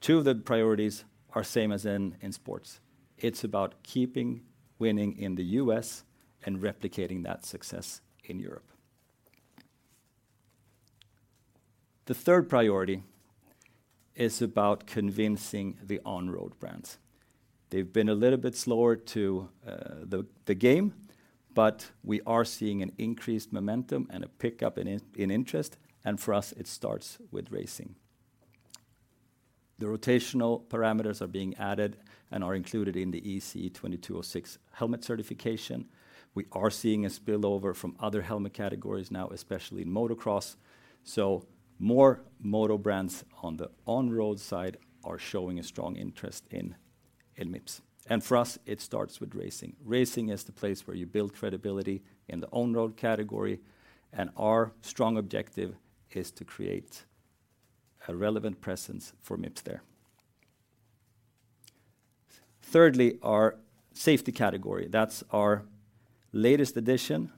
two of the priorities are same as in sports. It's about keeping winning in the U.S. and replicating that success in Europe. The third priority is about convincing the on-road brands. They've been a little bit slower to the game, but we are seeing an increased momentum and a pickup in interest, and for us it starts with racing. The rotational parameters are being added and are included in the ECE R22.06 helmet certification. We are seeing a spillover from other helmet categories now, especially in motocross, so more moto brands on the on-road side are showing a strong interest in Mips. For us, it starts with racing. Racing is the place where you build credibility in the on-road category, and our strong objective is to create a relevant presence for Mips there. Thirdly, our safety category. That's our latest addition,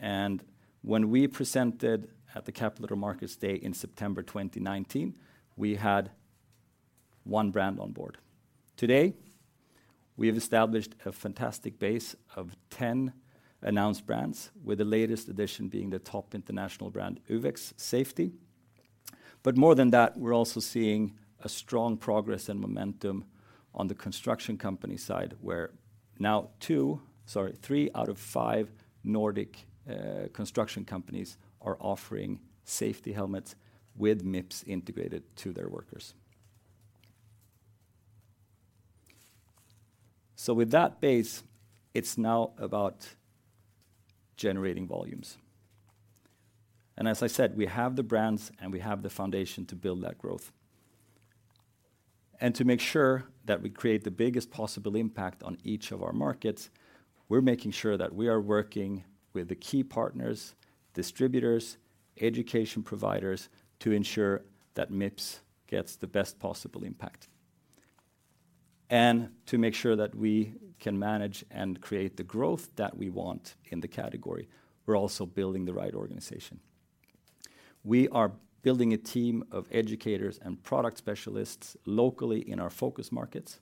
and when we presented at the Capital Markets Day in September 2019, we had one brand on board. Today, we have established a fantastic base of 10 announced brands, with the latest addition being the top international brand, uvex safety group. More than that, we're also seeing a strong progress and momentum on the construction company side, where now two, sorry, three out of five Nordic construction companies are offering safety helmets with Mips integrated to their workers. With that base, it's now about generating volumes. As I said, we have the brands, and we have the foundation to build that growth. To make sure that we create the biggest possible impact on each of our markets, we're making sure that we are working with the key partners, distributors, education providers to ensure that Mips gets the best possible impact. To make sure that we can manage and create the growth that we want in the category, we're also building the right organization. We are building a team of educators and product specialists locally in our focus markets.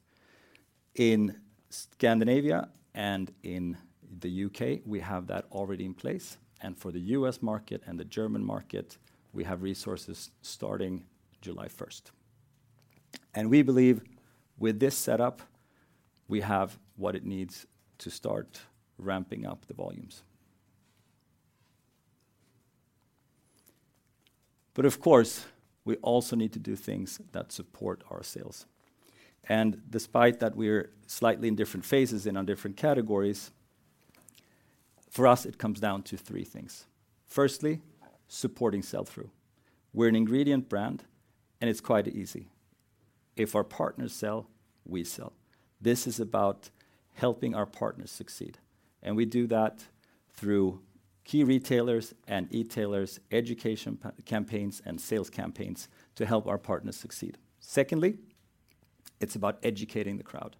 In Scandinavia and in the U.K., we have that already in place. For the U.S. market and the German market, we have resources starting July first. We believe with this setup, we have what it needs to start ramping up the volumes. Of course, we also need to do things that support our sales. Despite that we're slightly in different phases and on different categories, for us, it comes down to three things. Firstly, supporting sell-through. We're an ingredient brand, and it's quite easy. If our partners sell, we sell. This is about helping our partners succeed, and we do that through key retailers and e-tailers, education campaigns and sales campaigns to help our partners succeed. Secondly, it's about educating the crowd.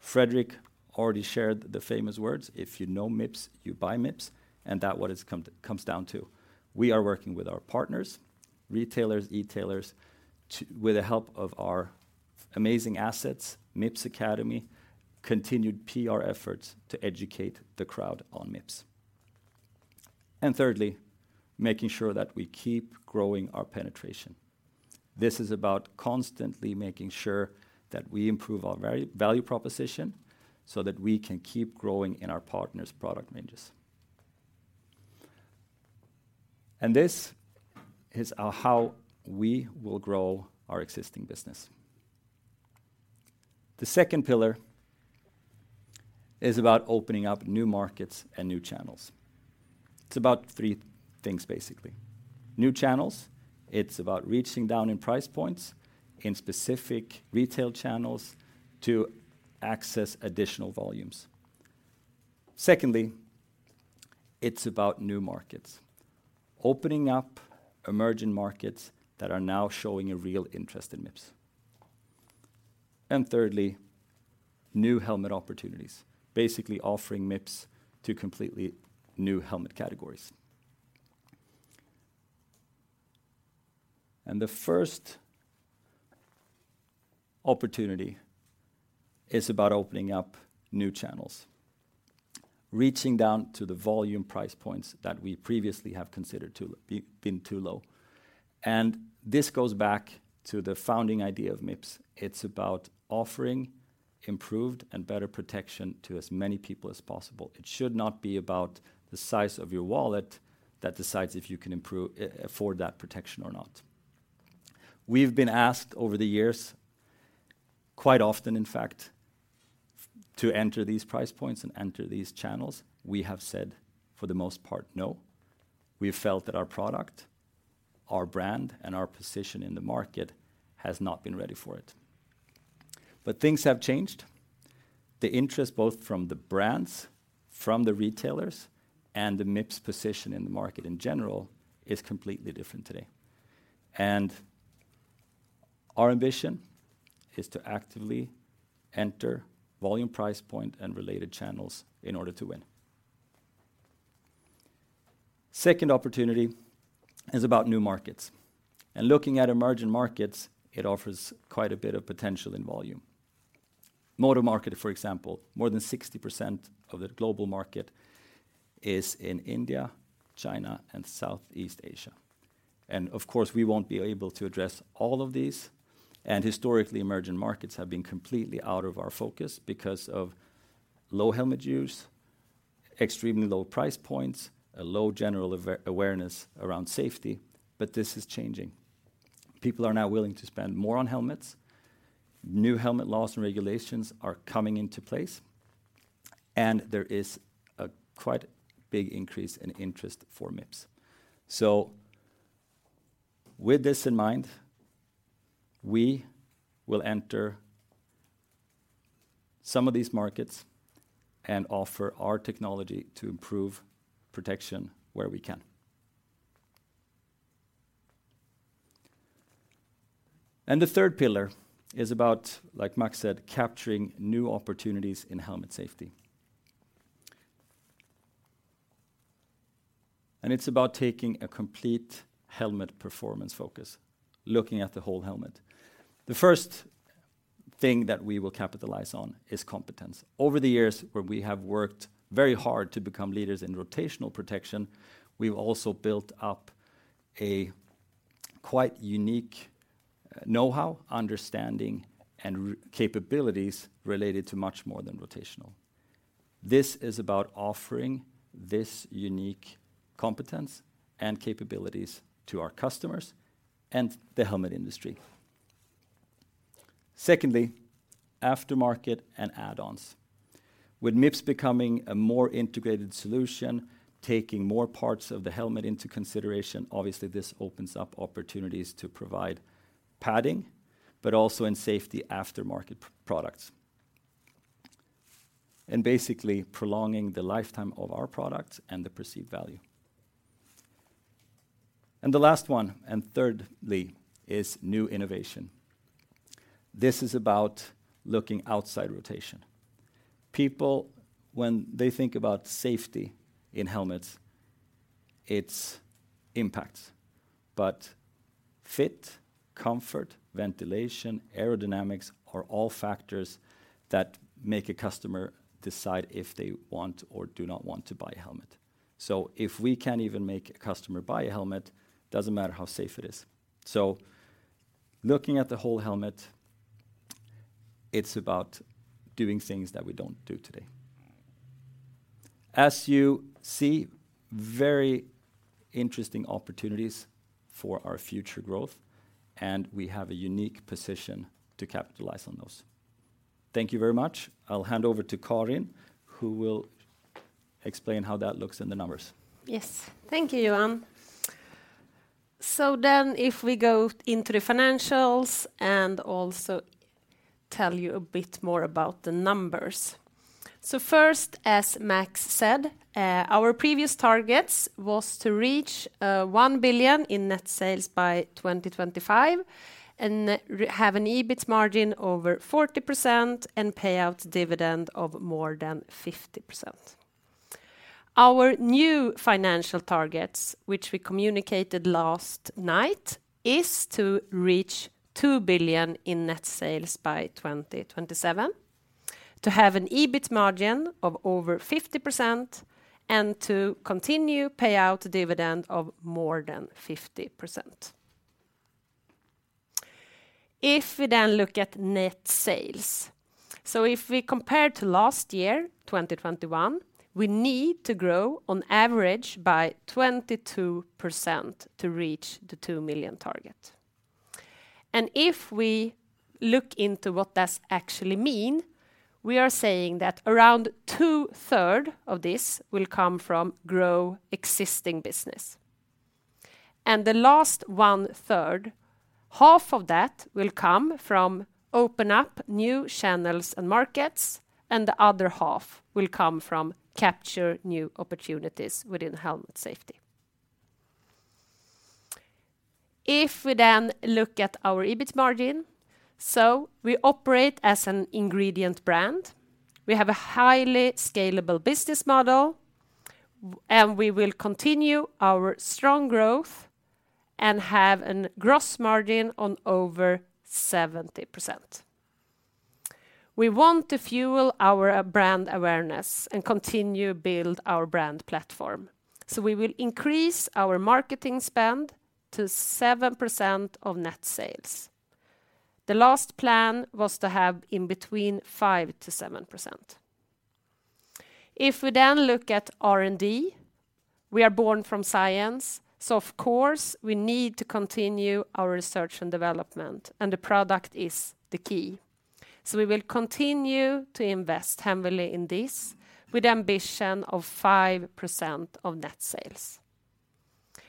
Fredrik already shared the famous words, "If you know Mips, you buy Mips," and that's what it comes down to. We are working with our partners, retailers, e-tailers, with the help of our amazing assets, Mips Academy, continued PR efforts to educate the crowd on Mips. Thirdly, making sure that we keep growing our penetration. This is about constantly making sure that we improve our value proposition so that we can keep growing in our partners' product ranges. This is how we will grow our existing business. The second pillar is about opening up new markets and new channels. It's about three things, basically. New channels, it's about reaching down in price points in specific retail channels to access additional volumes. Secondly, it's about new markets. Opening up emerging markets that are now showing a real interest in Mips. Thirdly, new helmet opportunities, basically offering Mips to completely new helmet categories. The first opportunity is about opening up new channels, reaching down to the volume price points that we previously have considered been too low. This goes back to the founding idea of Mips. It's about offering improved and better protection to as many people as possible. It should not be about the size of your wallet that decides if you can improve, afford that protection or not. We've been asked over the years, quite often in fact, to enter these price points and enter these channels. We have said, for the most part, no. We have felt that our product, our brand, and our position in the market has not been ready for it. Things have changed. The interest, both from the brands, from the retailers, and the Mips position in the market in general, is completely different today. Our ambition is to actively enter volume price point and related channels in order to win. Second opportunity is about new markets. Looking at emerging markets, it offers quite a bit of potential in volume. Motor market, for example, more than 60% of the global market is in India, China, and Southeast Asia. Of course, we won't be able to address all of these. Historically, emerging markets have been completely out of our focus because of low helmet use, extremely low price points, a low general awareness around safety, but this is changing. People are now willing to spend more on helmets. New helmet laws and regulations are coming into place, and there is a quite big increase in interest for Mips. With this in mind, we will enter some of these markets and offer our technology to improve protection where we can. The third pillar is about, like Max said, capturing new opportunities in helmet safety. It's about taking a complete helmet performance focus, looking at the whole helmet. The first thing that we will capitalize on is competence. Over the years, where we have worked very hard to become leaders in rotational protection, we've also built up a quite unique know-how, understanding, and capabilities related to much more than rotational. This is about offering this unique competence and capabilities to our customers and the helmet industry. Secondly, aftermarket and add-ons. With Mips becoming a more integrated solution, taking more parts of the helmet into consideration. Obviously this opens up opportunities to provide padding, but also in safety aftermarket products and basically prolonging the lifetime of our products and the perceived value. The last one, and thirdly, is new innovation. This is about looking outside rotation. People, when they think about safety in helmets, it's impact. Fit, comfort, ventilation, aerodynamics are all factors that make a customer decide if they want or do not want to buy a helmet. If we can't even make a customer buy a helmet, doesn't matter how safe it is. Looking at the whole helmet, it's about doing things that we don't do today. As you see, very interesting opportunities for our future growth, and we have a unique position to capitalize on those. Thank you very much. I'll hand over to Karin, who will explain how that looks in the numbers. Yes. Thank you, Johan. If we go into the financials, and also tell you a bit more about the numbers. First, as Max said, our previous targets was to reach 1 billion in net sales by 2025, and have an EBIT margin over 40% and payout dividend of more than 50%. Our new financial targets, which we communicated last night, is to reach 2 billion in net sales by 2027, to have an EBIT margin of over 50%, and to continue payout dividend of more than 50%. If we look at net sales, if we compare to last year, 2021, we need to grow on average by 22% to reach the 2 billion target. If we look into what that actually mean, we are saying that around 2/3 of this will come from growing existing business. The last 1/3, 1/2 of that will come from opening up new channels and markets, and the other 1/2 will come from capturing new opportunities within helmet safety. If we look at our EBIT margin, we operate as an ingredient brand. We have a highly scalable business model, and we will continue our strong growth and have a gross margin of over 70%. We want to fuel our brand awareness and continue build our brand platform. We will increase our marketing spend to 7% of net sales. The last plan was to have in between 5% to 7%. If we look at R&D, we are born from science, so of course, we need to continue our research and development, and the product is the key. We will continue to invest heavily in this with ambition of 5% of net sales.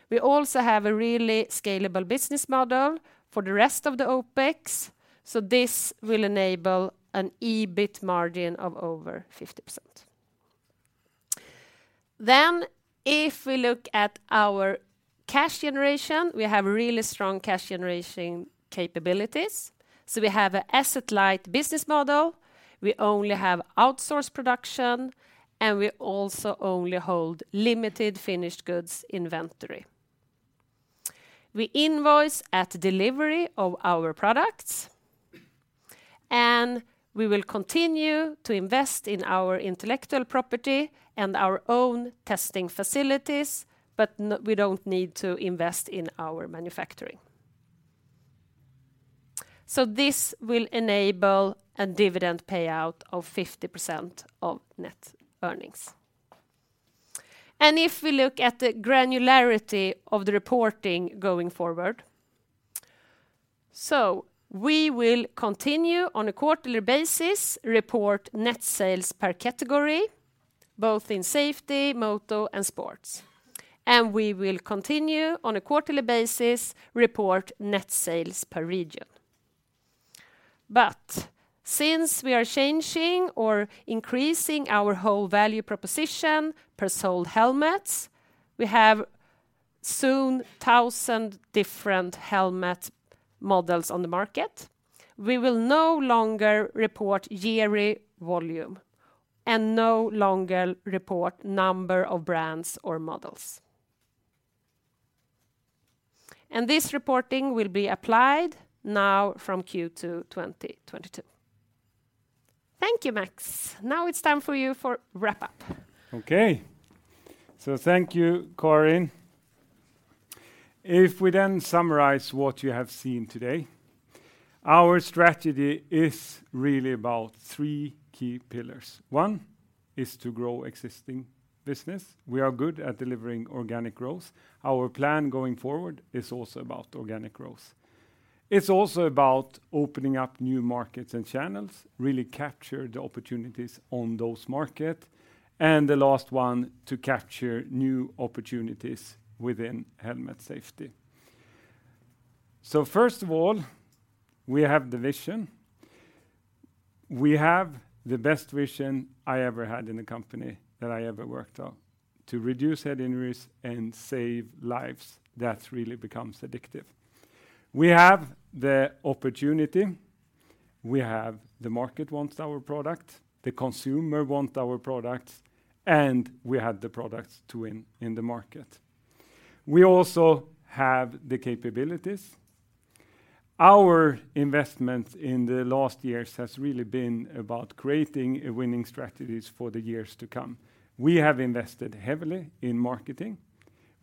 We also have a really scalable business model for the rest of the OpEx, so this will enable an EBIT margin of over 50%. If we look at our cash generation, we have really strong cash generation capabilities. We have an asset-light business model, we only have outsourced production, and we also only hold limited finished goods inventory. We invoice at delivery of our products, and we will continue to invest in our intellectual property and our own testing facilities, but we don't need to invest in our manufacturing. This will enable a dividend payout of 50% of net earnings. If we look at the granularity of the reporting going forward, so we will continue on a quarterly basis, report net sales per category, both in safety, moto, and sports. We will continue on a quarterly basis, report net sales per region. Since we are changing or increasing our whole value proposition per sold helmets, we have 1,000 different helmet models on the market. We will no longer report yearly volume and no longer report number of brands or models. This reporting will be applied now from Q2 2022. Thank you. Max, now it's time for you to wrap up. Okay. Thank you, Karin. If we then summarize what you have seen today, our strategy is really about three key pillars. One is to grow existing business. We are good at delivering organic growth. Our plan going forward is also about organic growth. It's also about opening up new markets and channels, really capture the opportunities in those markets. And the last one, to capture new opportunities within helmet safety. First of all, we have the vision. We have the best vision I ever had in a company that I ever worked on, to reduce head injuries and save lives. That really becomes addictive. We have the opportunity. We have--the market wants our product, the consumer want our product, and we have the products to win in the market. We also have the capabilities. Our investment in the last years has really been about creating a winning strategies for the years to come. We have invested heavily in marketing.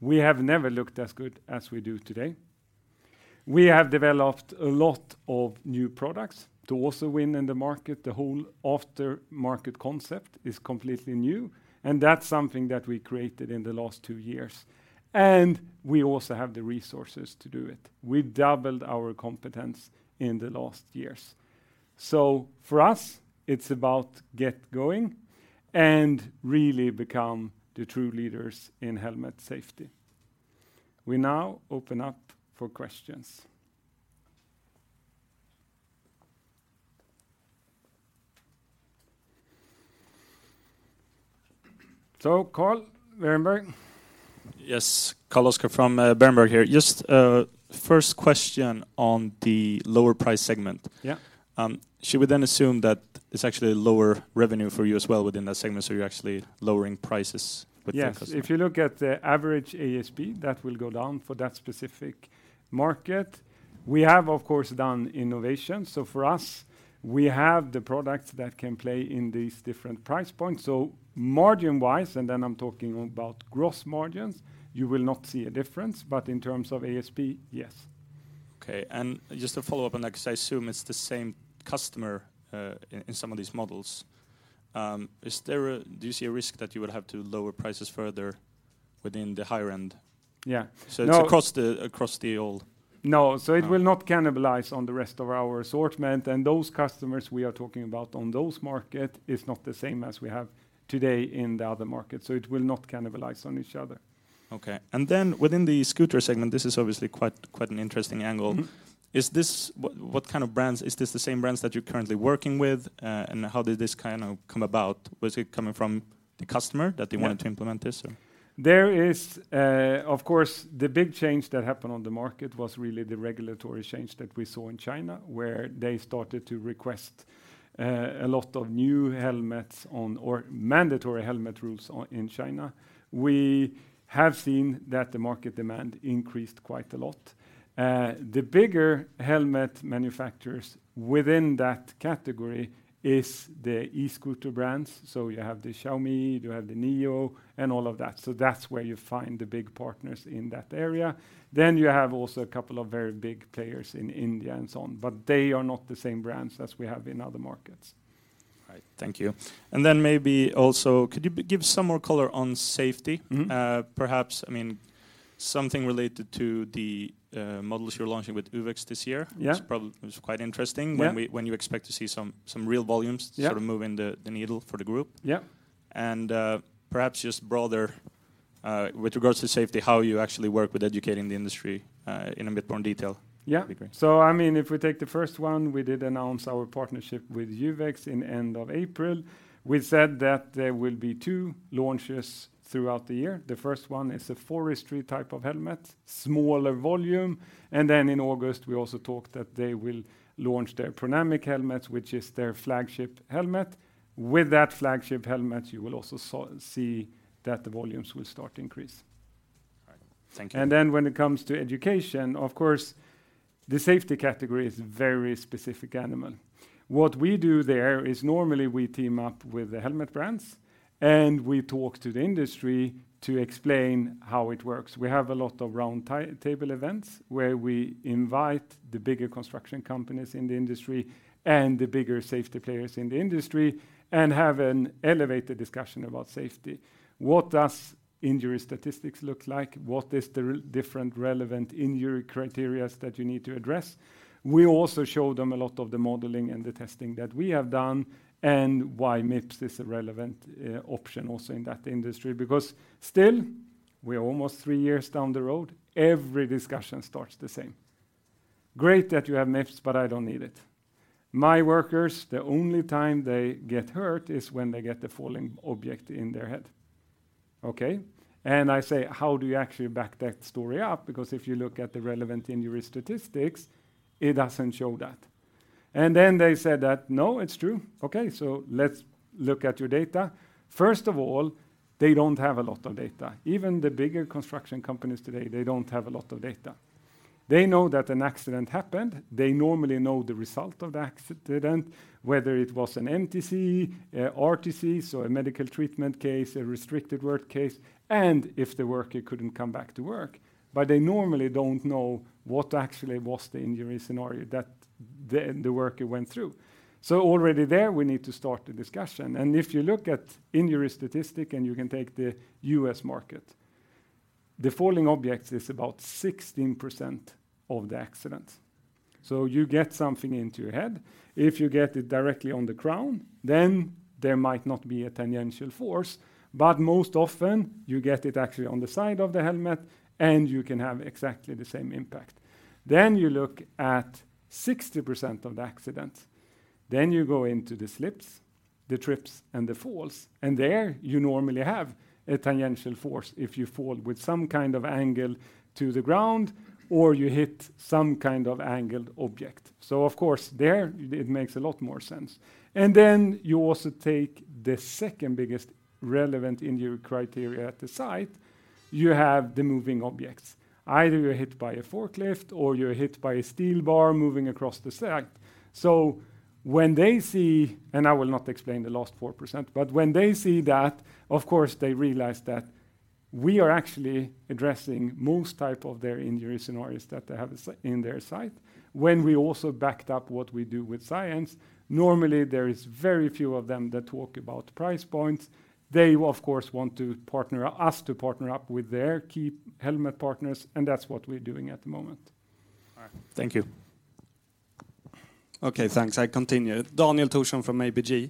We have never looked as good as we do today. We have developed a lot of new products to also win in the market. The whole after-market concept is completely new, and that's something that we created in the last two years. We also have the resources to do it. We doubled our competence in the last years. For us, it's about get going and really become the true leaders in helmet safety. We now open up for questions. Carl, Berenberg. Yes. Carl-Oscar Bredengen from Berenberg here. Just, first question on the lower price segment. Yeah. Should we assume that it's actually lower revenue for you as well within that segment, so you're actually lowering prices with the customer? Yes. If you look at the average ASP, that will go down for that specific market. We have, of course, done innovation. For us, we have the products that can play in these different price points. Margin-wise, and then I'm talking about gross margins, you will not see a difference. In terms of ASP, yes. Okay. Just to follow up on that, 'cause I assume it's the same customer, in some of these models, do you see a risk that you will have to lower prices further within the higher end? Yeah. It's across the whole. No. No. It will not cannibalize on the rest of our assortment. Those customers we are talking about on those market is not the same as we have today in the other markets. It will not cannibalize on each other. Okay. Within the scooter segment, this is obviously quite an interesting angle. Mm-hmm. What kind of brands? Is this the same brands that you're currently working with? How did this kind of come about? Was it coming from the customer that they- Yeah. wanted to implement this? Of course, the big change that happened on the market was really the regulatory change that we saw in China, where they started to request a lot of new helmets or mandatory helmet rules in China. We have seen that the market demand increased quite a lot. The bigger helmet manufacturers within that category is the e-scooter brands. So you have the Xiaomi, you have the NIU, and all of that. So that's where you find the big partners in that area. You have also a couple of very big players in India and so on, but they are not the same brands as we have in other markets. All right. Thank you. Maybe also could you give some more color on safety? Mm-hmm. Perhaps, I mean, something related to the models you're launching with uvex this year- Yeah.... which is quite interesting. Yeah. When you expect to see some real volumes- Yeah.... sort of moving the needle for the group? Yeah. Perhaps just broader, with regards to safety, how you actually work with educating the industry, in a bit more detail? Yeah. That'd be great. I mean, if we take the first one, we did announce our partnership with uvex end of April. We said that there will be two launches throughout the year. The first one is a forestry type of helmet, smaller volume. In August, we also talked that they will launch their pronamic helmets, which is their flagship helmet. With that flagship helmet, you will also see that the volumes will start to increase. All right. Thank you. When it comes to education, of course, the safety category is a very specific animal. What we do there is normally we team up with the helmet brands, and we talk to the industry to explain how it works. We have a lot of round table events where we invite the bigger construction companies in the industry and the bigger safety players in the industry and have an elevated discussion about safety. What does injury statistics look like? What is the different relevant injury criteria that you need to address? We also show them a lot of the modeling and the testing that we have done, and why Mips is a relevant option also in that industry. Because still, we're almost three years down the road, every discussion starts the same. "Great that you have Mips, but I don't need it. My workers, the only time they get hurt is when they get a falling object in their head." Okay. I say, "How do you actually back that story up? Because if you look at the relevant injury statistics, it doesn't show that." They said that, "No, it's true." Okay. Let's look at your data. First of all, they don't have a lot of data. Even the bigger construction companies today, they don't have a lot of data. They know that an accident happened. They normally know the result of the accident, whether it was an MTC, a RWC, so a medical treatment case, a restricted work case, and if the worker couldn't come back to work. They normally don't know what actually was the injury scenario that the worker went through. Already there, we need to start the discussion. If you look at injury statistic, and you can take the U.S. market, the falling objects is about 16% of the accidents. You get something into your head. If you get it directly on the crown, then there might not be a tangential force. Most often, you get it actually on the side of the helmet, and you can have exactly the same impact. You look at 60% of the accidents. You go into the slips, the trips, and the falls, and there you normally have a tangential force if you fall with some kind of angle to the ground or you hit some kind of angled object. Of course, there, it makes a lot more sense. Then you also take the second biggest relevant injury criteria at the site, you have the moving objects. Either you're hit by a forklift or you're hit by a steel bar moving across the site. When they see, I will not explain the last 4%. When they see that, of course, they realize that we are actually addressing most type of their injury scenarios that they have in their site. When we also backed up what we do with science, normally there is very few of them that talk about price points. They, of course, want us to partner up with their key helmet partners, and that's what we're doing at the moment. All right. Thank you. Okay, thanks. I continue. Daniel Thorsson from ABG.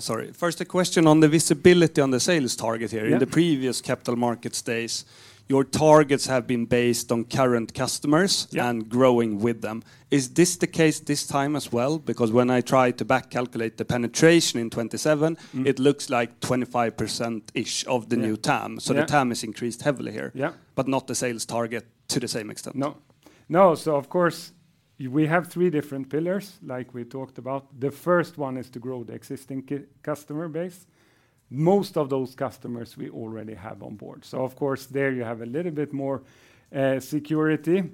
Sorry. First, a question on the visibility on the sales target here. Yeah. In the previous Capital Markets Days, your targets have been based on current customers- Yeah.... and growing with them. Is this the case this time as well? Because when I try to back calculate the penetration in 2027, it looks like in the 25% range of the new TAM. Yeah. The TAM has increased heavily here. Yeah. Not the sales target to the same extent. No. Of course, we have three different pillars, like we talked about. The first one is to grow the existing customer base. Most of those customers we already have on board. Of course, there you have a little bit more security.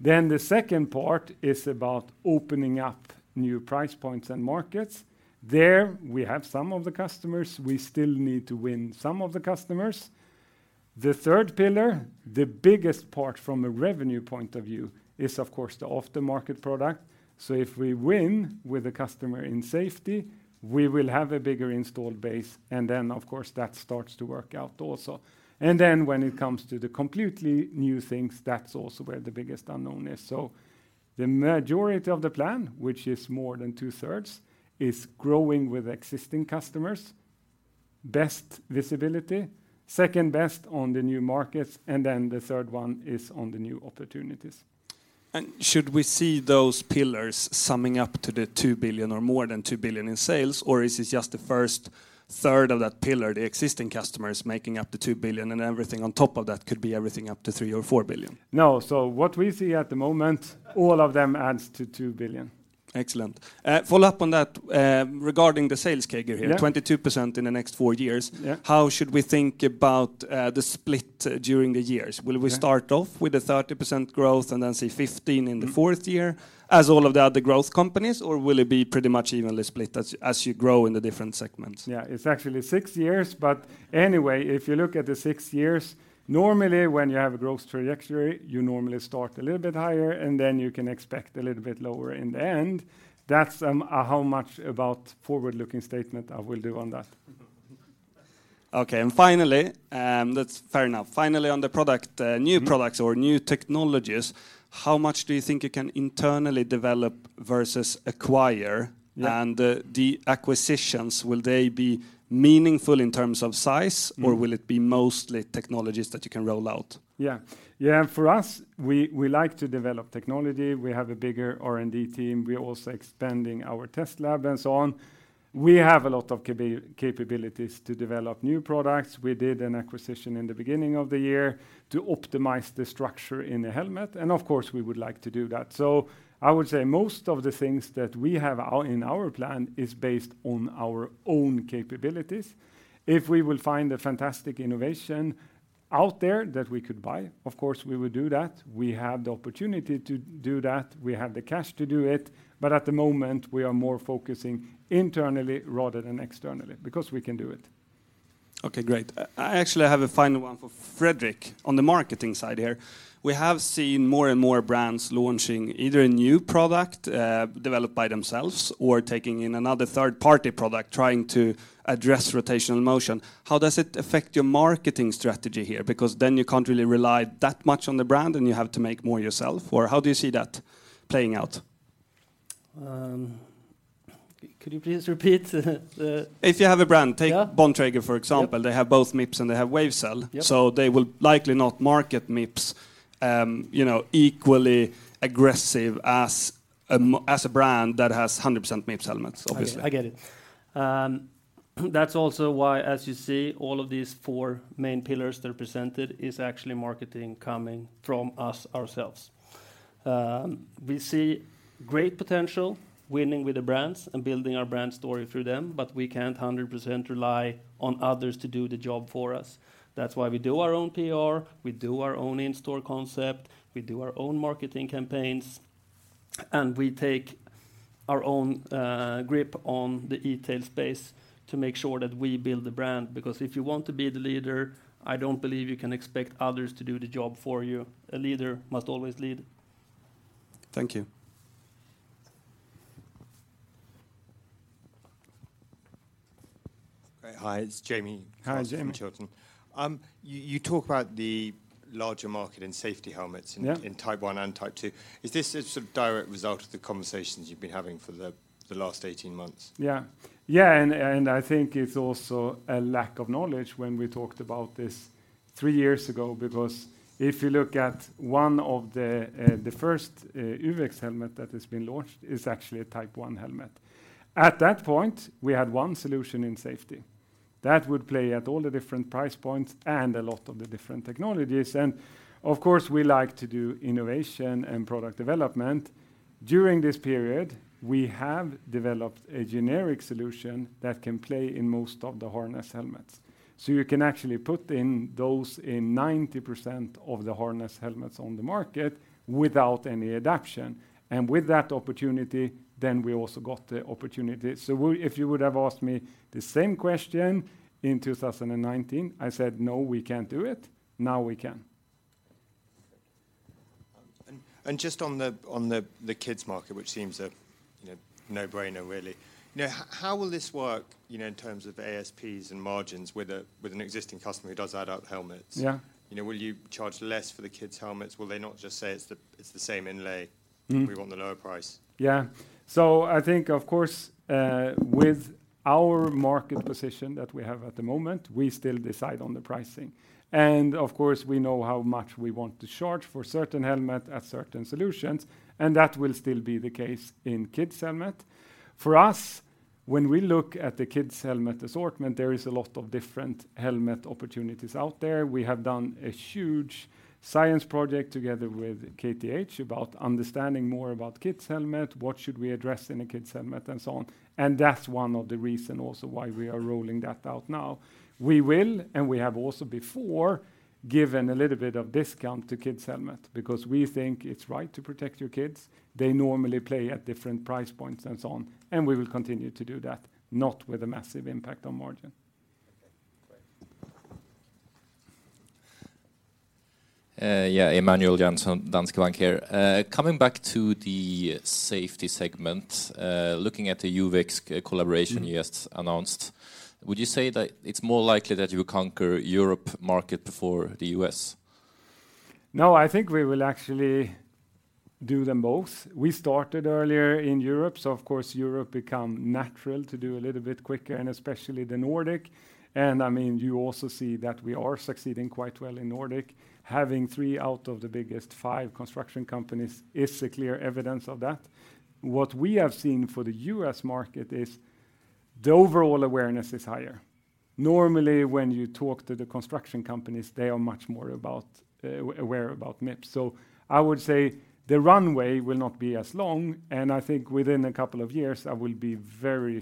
The second part is about opening up new price points and markets. There, we have some of the customers. We still need to win some of the customers. The third pillar, the biggest part from a revenue point of view, is of course the aftermarket product. If we win with a customer in safety, we will have a bigger installed base, and then of course that starts to work out also. When it comes to the completely new things, that's also where the biggest unknown is. The majority of the plan, which is more than 2/3, is growing with existing customers. Best visibility. Second best on the new markets, and then the third one is on the new opportunities. Should we see those pillars summing up to 2 billion or more than 2 billion in sales, or is it just the first third of that pillar,, the existing customers making up 2 billion and everything on top of that, could be everything up to 3 billion or 4 billion? No. What we see at the moment, all of them adds to 2 billion. Excellent. Follow up on that, regarding the sales CAGR here. Yeah. 22% in the next four years. Yeah. How should we think about the split during the years? Okay. Will we start off with 30% growth and then say 15% in the fourth year as all of the other growth companies, or will it be pretty much evenly split as you grow in the different segments? Yeah. It's actually six years, but anyway, if you look at the six years, normally when you have a growth trajectory, you normally start a little bit higher, and then you can expect a little bit lower in the end. That's as much about forward-looking statements as I will do on that. Okay. Finally, that's fair enough. Finally, on the product, new products, new technologies. How much do you think you can internally develop versus acquire? Yeah. The acquisitions, will they be meaningful in terms of size? Will it be mostly technologies that you can roll out? Yeah. Yeah, for us, we like to develop technology. We have a bigger R&D team. We're also expanding our test lab and so on. We have a lot of capabilities to develop new products. We did an acquisition in the beginning of the year to optimize the structure in the helmet, and of course we would like to do that. I would say most of the things that we have out in our plan is based on our own capabilities. If we will find a fantastic innovation out there that we could buy, of course we would do that. We have the opportunity to do that. We have the cash to do it. At the moment, we are more focusing internally rather than externally because we can do it. Okay, great. I actually have a final one for Fredrik on the marketing side here. We have seen more and more brands launching either a new product developed by themselves or taking in another third-party product trying to address rotational motion. How does it affect your marketing strategy here? Because then you can't really rely that much on the brand, and you have to make more yourself. Or, how do you see that playing out? Could you please repeat? If you have a brand. Yeah. Take Bontrager for example. Yep. They have both Mips and they have WaveCel. Yep. They will likely not market Mips, you know, equally aggressive as a brand that has 100% Mips elements, obviously. I get it. That's also why, as you see, all of these four main pillars that are presented is actually marketing coming from us ourselves. We see great potential winning with the brands and building our brand story through them, but we can't 100% rely on others to do the job for us. That's why we do our own PR, we do our own in-store concept, we do our own marketing campaigns, and we take our own grip on the e-tail space to make sure that we build the brand. Because if you want to be the leader, I don't believe you can expect others to do the job for you. A leader must always lead. Thank you. Hi, it's Jamie. Hi, Jamie. From Chilton. You talk about the larger market in safety helmets- Yeah.... in Type I and Type II. Is this a sort of direct result of the conversations you've been having for the last 18 months? Yeah. I think it's also a lack of knowledge when we talked about this three years ago. Because if you look at one of the first, uvex helmet that has been launched is actually a Type I helmet. At that point, we had one solution in safety. That would play at all the different price points and a lot of the different technologies. Of course, we like to do innovation and product development. During this period, we have developed a generic solution that can play in most of the harness helmets. You can actually put those in 90% of the harness helmets on the market without any adaptation. With that opportunity, we also got the opportunity. If you would have asked me the same question in 2019, I said, "No, we can't do it." Now, we can. Just on the kids market, which seems, you know, no-brainer really. You know, how will this work, you know, in terms of ASPs and margins with an existing customer who does adult helmets? Yeah. You know, will you charge less for the kids' helmets? Will they not just say, "It's the same inlay, we want the lower price?" Yeah. I think, of course, with our market position that we have at the moment, we still decide on the pricing. Of course, we know how much we want to charge for certain helmet and certain solutions, and that will still be the case in kids helmet. For us, when we look at the kids helmet assortment, there is a lot of different helmet opportunities out there. We have done a huge science project together with KTH about understanding more about kids' helmet, what should we address in a kids' helmet, and so on. That's one of the reasons also why we are rolling that out now. We will, and we have also before, given a little bit of discount to kids' helmet because we think it's right to protect your kids. They normally play at different price points and so on, and we will continue to do that, not with a massive impact on margin. Okay, great. Yeah, Emanuel Jansson, Danske Bank here. Coming back to the safety segment, looking at the uvex collaboration you just announced. Would you say that it's more likely that you conquer the European market before the U.S.? No, I think we will actually do them both. We started earlier in Europe, so of course Europe becomes natural to do a little bit quicker, and especially the Nordic. I mean, you also see that we are succeeding quite well in Nordic. Having three out of the biggest five construction companies is a clear evidence of that. What we have seen for the U.S. market is the overall awareness is higher. Normally, when you talk to the construction companies, they are much more aware about Mips. I would say the runway will not be as long, and I think within a couple of years, I will be very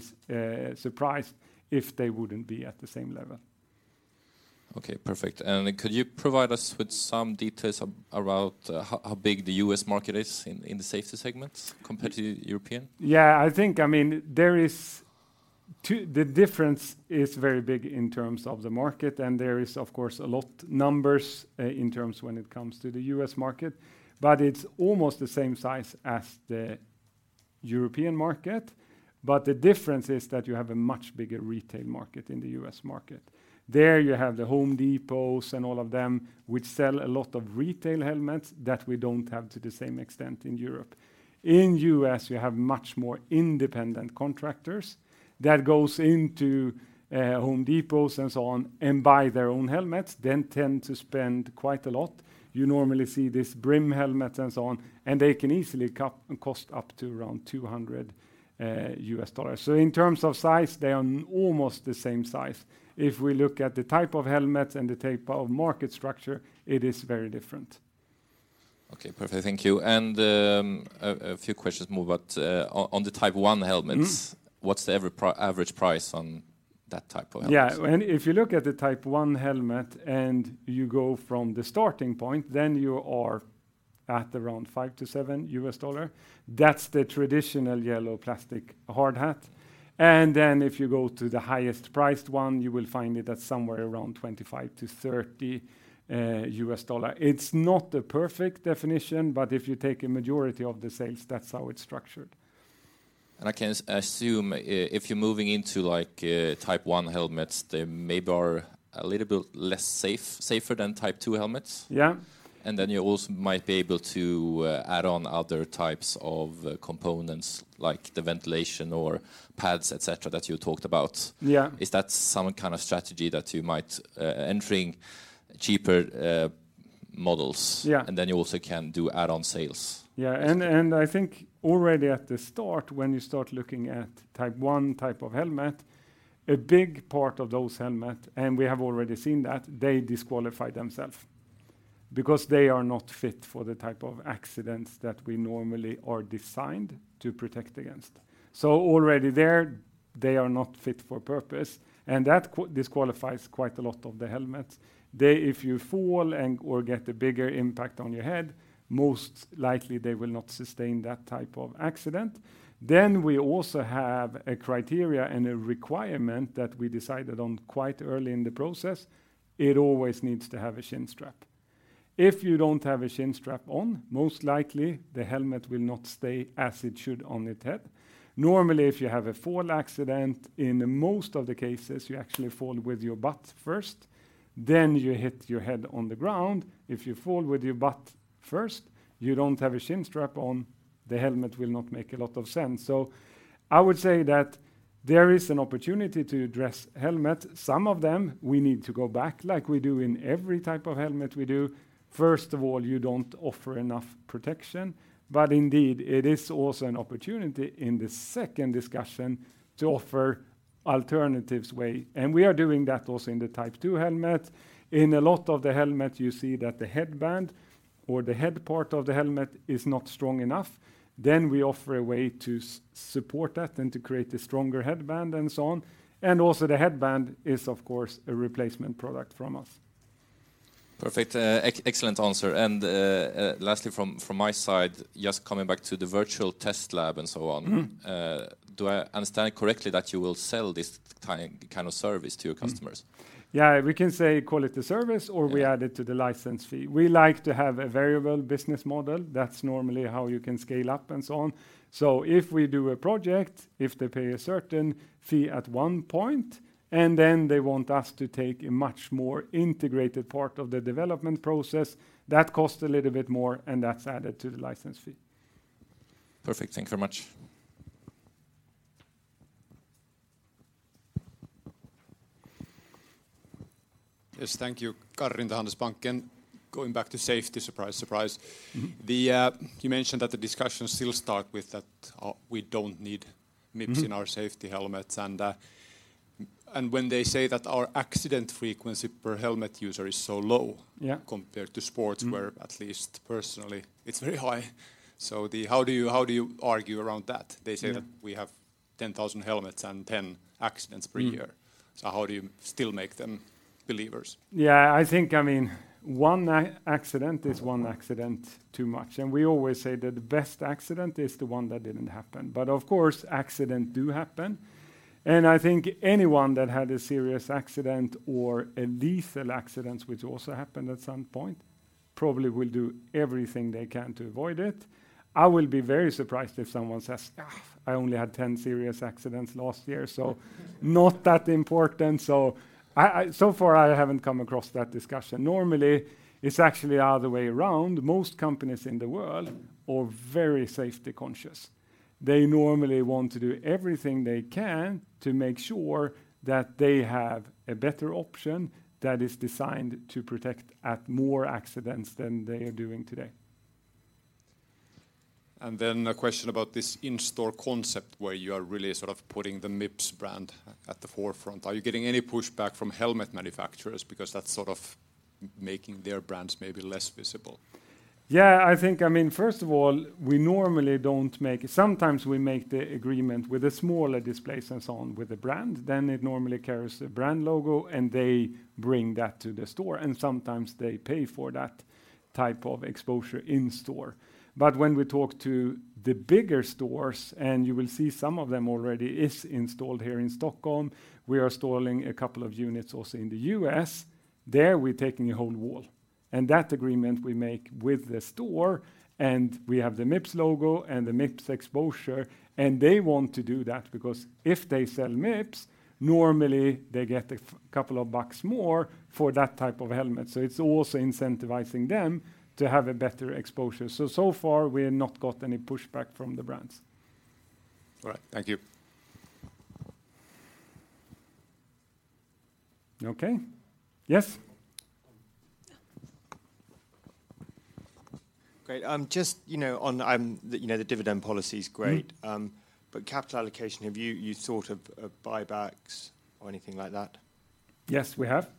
surprised if they wouldn't be at the same level. Okay, perfect. Could you provide us with some details about how big the U.S. market is in the safety segments compared to European? Yeah. I think, I mean, the difference is very big in terms of the market, and there is of course a lot of numbers in terms of when it comes to the U.S. market. It's almost the same size as the European market, but the difference is that you have a much bigger retail market in the U.S. market. There, you have the Home Depots and all of them, which sell a lot of retail helmets that we don't have to the same extent in Europe. In U.S., you have much more independent contractors that goes into Home Depots and so on, and buy their own helmets, they tend to spend quite a lot. You normally see these brim helmets and so on, and they can easily cost up to around $200. In terms of size, they are almost the same size. If we look at the type of helmets and the type of market structure, it is very different. Okay, perfect. Thank you. A few questions more about on the Type I helmets. What's the average price on that type of helmets? Yeah. If you look at the Type I helmet and you go from the starting point, then you are at around $5 to $7. That's the traditional yellow plastic hard hat. If you go to the highest priced one, you will find it at somewhere around $25 to $30. It's not the perfect definition, but if you take a majority of the sales, that's how it's structured. I can assume if you're moving into like, Type I helmets, they maybe are a little bit safer than Type II helmets. Yeah. You also might be able to add on other types of components like the ventilation or pads, et cetera, that you talked about. Yeah. Is that some kind of strategy that you might, entering cheaper models- Yeah.... you also can do add-on sales. Yeah. I think already at the start, when you start looking at Type I type of helmet, a big part of those helmet, and we have already seen that, they disqualify themselves because they are not fit for the type of accidents that we normally are designed to protect against. Already there, they are not fit for purpose, and that disqualifies quite a lot of the helmets. They--If you fall and/or get a bigger impact on your head, most likely, they will not sustain that type of accident. We also have a criteria and a requirement that we decided on quite early in the process. It always needs to have a chin strap. If you don't have a chin strap on, most likely, the helmet will not stay as it should on the head. Normally, if you have a fall accident, in most of the cases, you actually fall with your butt first, then you hit your head on the ground. If you fall with your butt first, you don't have a chin strap on, the helmet will not make a lot of sense. I would say that there is an opportunity to address helmet. Some of them, we need to go back like we do in every type of helmet we do. First of all, you don't offer enough protection. Indeed, it is also an opportunity in the second discussion to offer alternatives way, and we are doing that also in the Type II helmet. In a lot of the helmet, you see that the headband or the head part of the helmet is not strong enough. We offer a way to support that and to create a stronger headband and so on. Also, the headband is, of course, a replacement product from us. Perfect. Excellent answer. Lastly from my side, just coming back to the virtual test lab and so on. Do I understand correctly that you will sell this kind of service to your customers? Yeah. We can say call it a service, or we add it to the license fee. We like to have a variable business model. That's normally how you can scale up and so on. If we do a project, if they pay a certain fee at one point, and then they want us to take a much more integrated part of the development process, that costs a little bit more, and that's added to the license fee. Perfect. Thank you very much. Yes. Thank you. Karri from the Handelsbanken. Going back to safety, surprise, surprise. You mentioned that the discussion still starts with that, we don't need Mips in our safety helmets and when they say that our accident frequency per helmet user is so low- Yeah.... compared to sports, where, at least personally, it's very high. How do you argue around that? They say that we have 10,000 helmets and 10 accidents per year. How do you still make them believers? Yeah. I think, I mean, one accident is one accident too much, and we always say that the best accident is the one that didn't happen. Of course, accidents do happen, and I think anyone that had a serious accident or a lethal accidents, which also happened at some point, probably will do everything they can to avoid it. I will be very surprised if someone says, "Ah, I only had 10 serious accidents last year," so not that important. I haven't come across that discussion. Normally, it's actually the other way around. Most companies in the world are very safety conscious. They normally want to do everything they can to make sure that they have a better option that is designed to protect at more accidents than they are doing today. A question about this in-store concept where you are really sort of putting the Mips brand at the forefront. Are you getting any pushback from helmet manufacturers because that's sort of making their brands maybe less visible? Yeah. I think, I mean, first of all, we normally sometimes we make the agreement with the smaller displays and so on with the brand. It normally carries the brand logo, and they bring that to the store, and sometimes they pay for that type of exposure in store. When we talk to the bigger stores--and you will see some of them already is installed here in Stockholm, we are installing a couple of units also in the U.S--there, we're taking a whole wall, and that agreement we make with the store, and we have the Mips logo and the Mips exposure, and they want to do that because if they sell Mips, normally they get a couple of bucks more for that type of helmet. It's also incentivizing them to have a better exposure. So far, we have not got any pushback from the brands. All right. Thank you. Okay. Yes. Great. Just, you know, on the, you know, the dividend policy is great. Capital allocation, have you thought of buybacks or anything like that? Yes, we have.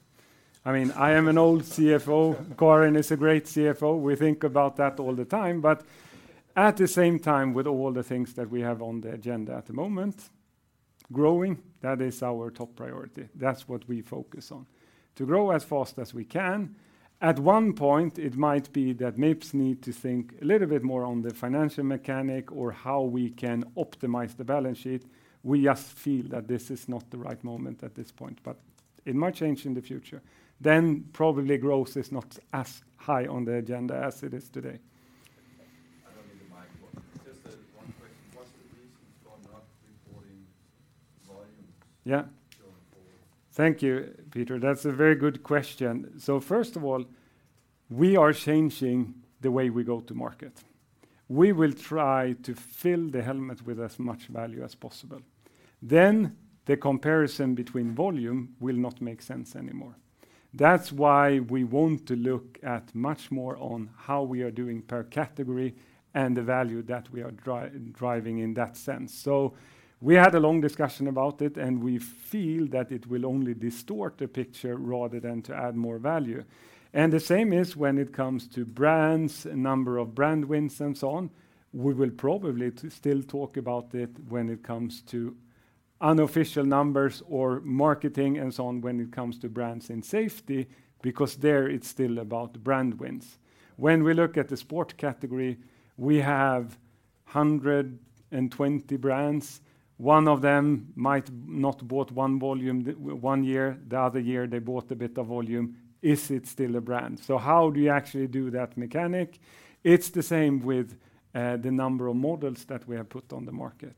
I mean, I am an old CFO. Karin is a great CFO. We think about that all the time, but at the same time, with all the things that we have on the agenda at the moment, growing, that is our top priority. That's what we focus on, to grow as fast as we can. At one point, it might be that Mips need to think a little bit more on the financial mechanics or how we can optimize the balance sheet. We just feel that this is not the right moment at this point, but it might change in the future. Then probably growth is not as high on the agenda as it is today. I don't need the mic. Just, one question. What's the reason for not reporting volumes? Yeah. Going forward? Thank you, Peter. That's a very good question. First of all, we are changing the way we go to market. We will try to fill the helmet with as much value as possible. The comparison between volume will not make sense anymore. That's why we want to look at much more on how we are doing per category, And the value that we are driving in that sense. We had a long discussion about it, and we feel that it will only distort the picture rather than to add more value. The same is when it comes to brands, number of brand wins, and so on. We will probably to still talk about it when it comes to unofficial numbers or marketing and so on when it comes to brands and safety because there it's still about brand wins. When we look at the sport category, we have 120 brands. One of them might not bought one volume one year, the other year, they bought a bit of volume. Is it still a brand? How do you actually do that mechanic? It's the same with the number of models that we have put on the market.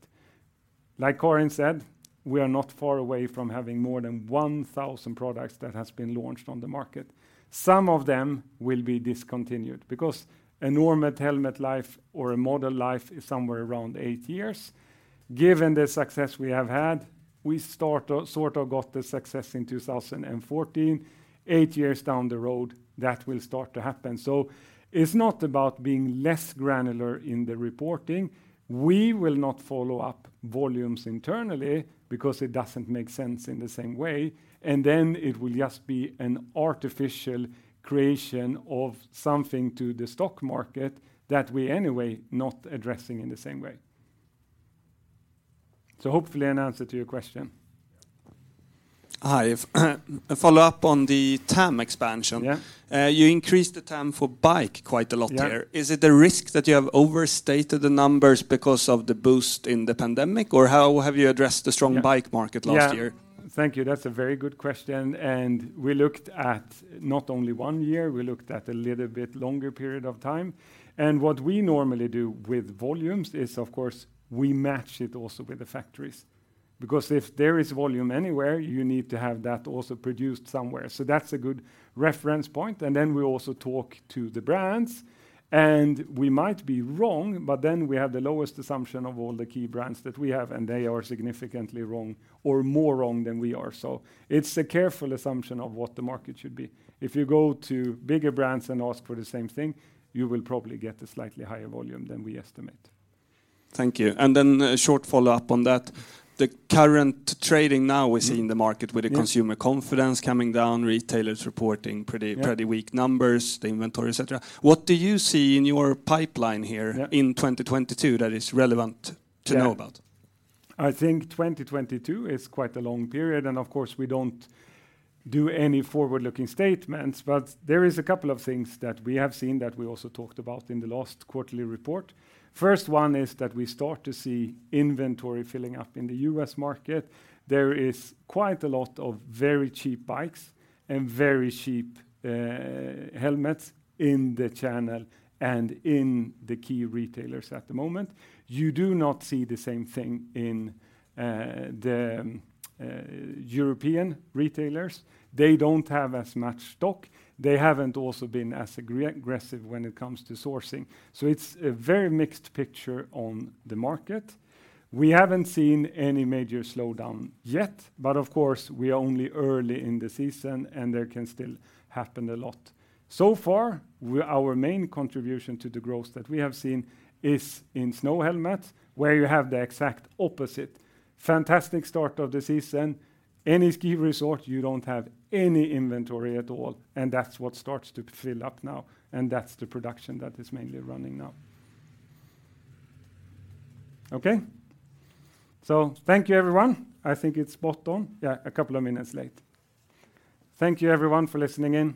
Like Karin said, we are not far away from having more than 1,000 products that has been launched on the market. Some of them will be discontinued because a normal helmet life or a model life is somewhere around eight years. Given the success we have had, we start sort of got the success in 2014. Eight years down the road, that will start to happen. It's not about being less granular in the reporting. We will not follow up volumes internally because it doesn't make sense in the same way, and then it will just be an artificial creation of something to the stock market that we anyway not addressing in the same way. Hopefully an answer to your question. Hi. A follow-up on the TAM expansion. Yeah. You increased the TAM for bike quite a lot here. Yeah. Is it a risk that you have overstated the numbers because of the boost in the pandemic? How have you addressed the strong bike market last year? Yeah. Thank you. That's a very good question, and we looked at not only one year, we looked at a little bit longer period of time. What we normally do with volumes is, of course, we match it also with the factories. Because if there is volume anywhere, you need to have that also produced somewhere. That's a good reference point, and then we also talk to the brands. We might be wrong, but then we have the lowest assumption of all the key brands that we have, and they are significantly wrong or more wrong than we are. It's a careful assumption of what the market should be. If you go to bigger brands and ask for the same thing, you will probably get a slightly higher volume than we estimate. Thank you. A short follow-up on that. The current trading now we see in the market with the consumer confidence coming down, retailers reporting pretty weak numbers, the inventory, et cetera. What do you see in your pipeline here- Yeah.... in 2022 that is relevant to know about? Yeah. I think 2022 is quite a long period, and of course, we don't do any forward-looking statements. There is a couple of things that we have seen that we also talked about in the last quarterly report. First one is that we start to see inventory filling up in the U.S. market. There is quite a lot of very cheap bikes and very cheap helmets in the channel and in the key retailers at the moment. You do not see the same thing in the European retailers. They don't have as much stock. They haven't also been as aggressive when it comes to sourcing. It's a very mixed picture on the market. We haven't seen any major slowdown yet, but of course, we are only early in the season, and there can still happen a lot. So far, our main contribution to the growth that we have seen is in Snow helmets, where you have the exact opposite. Fantastic start of the season. Any ski resort, you don't have any inventory at all, and that's what starts to fill up now, and that's the production that is mainly running now. Okay? Thank you, everyone. I think it's spot on. Yeah, a couple of minutes late. Thank you, everyone, for listening in.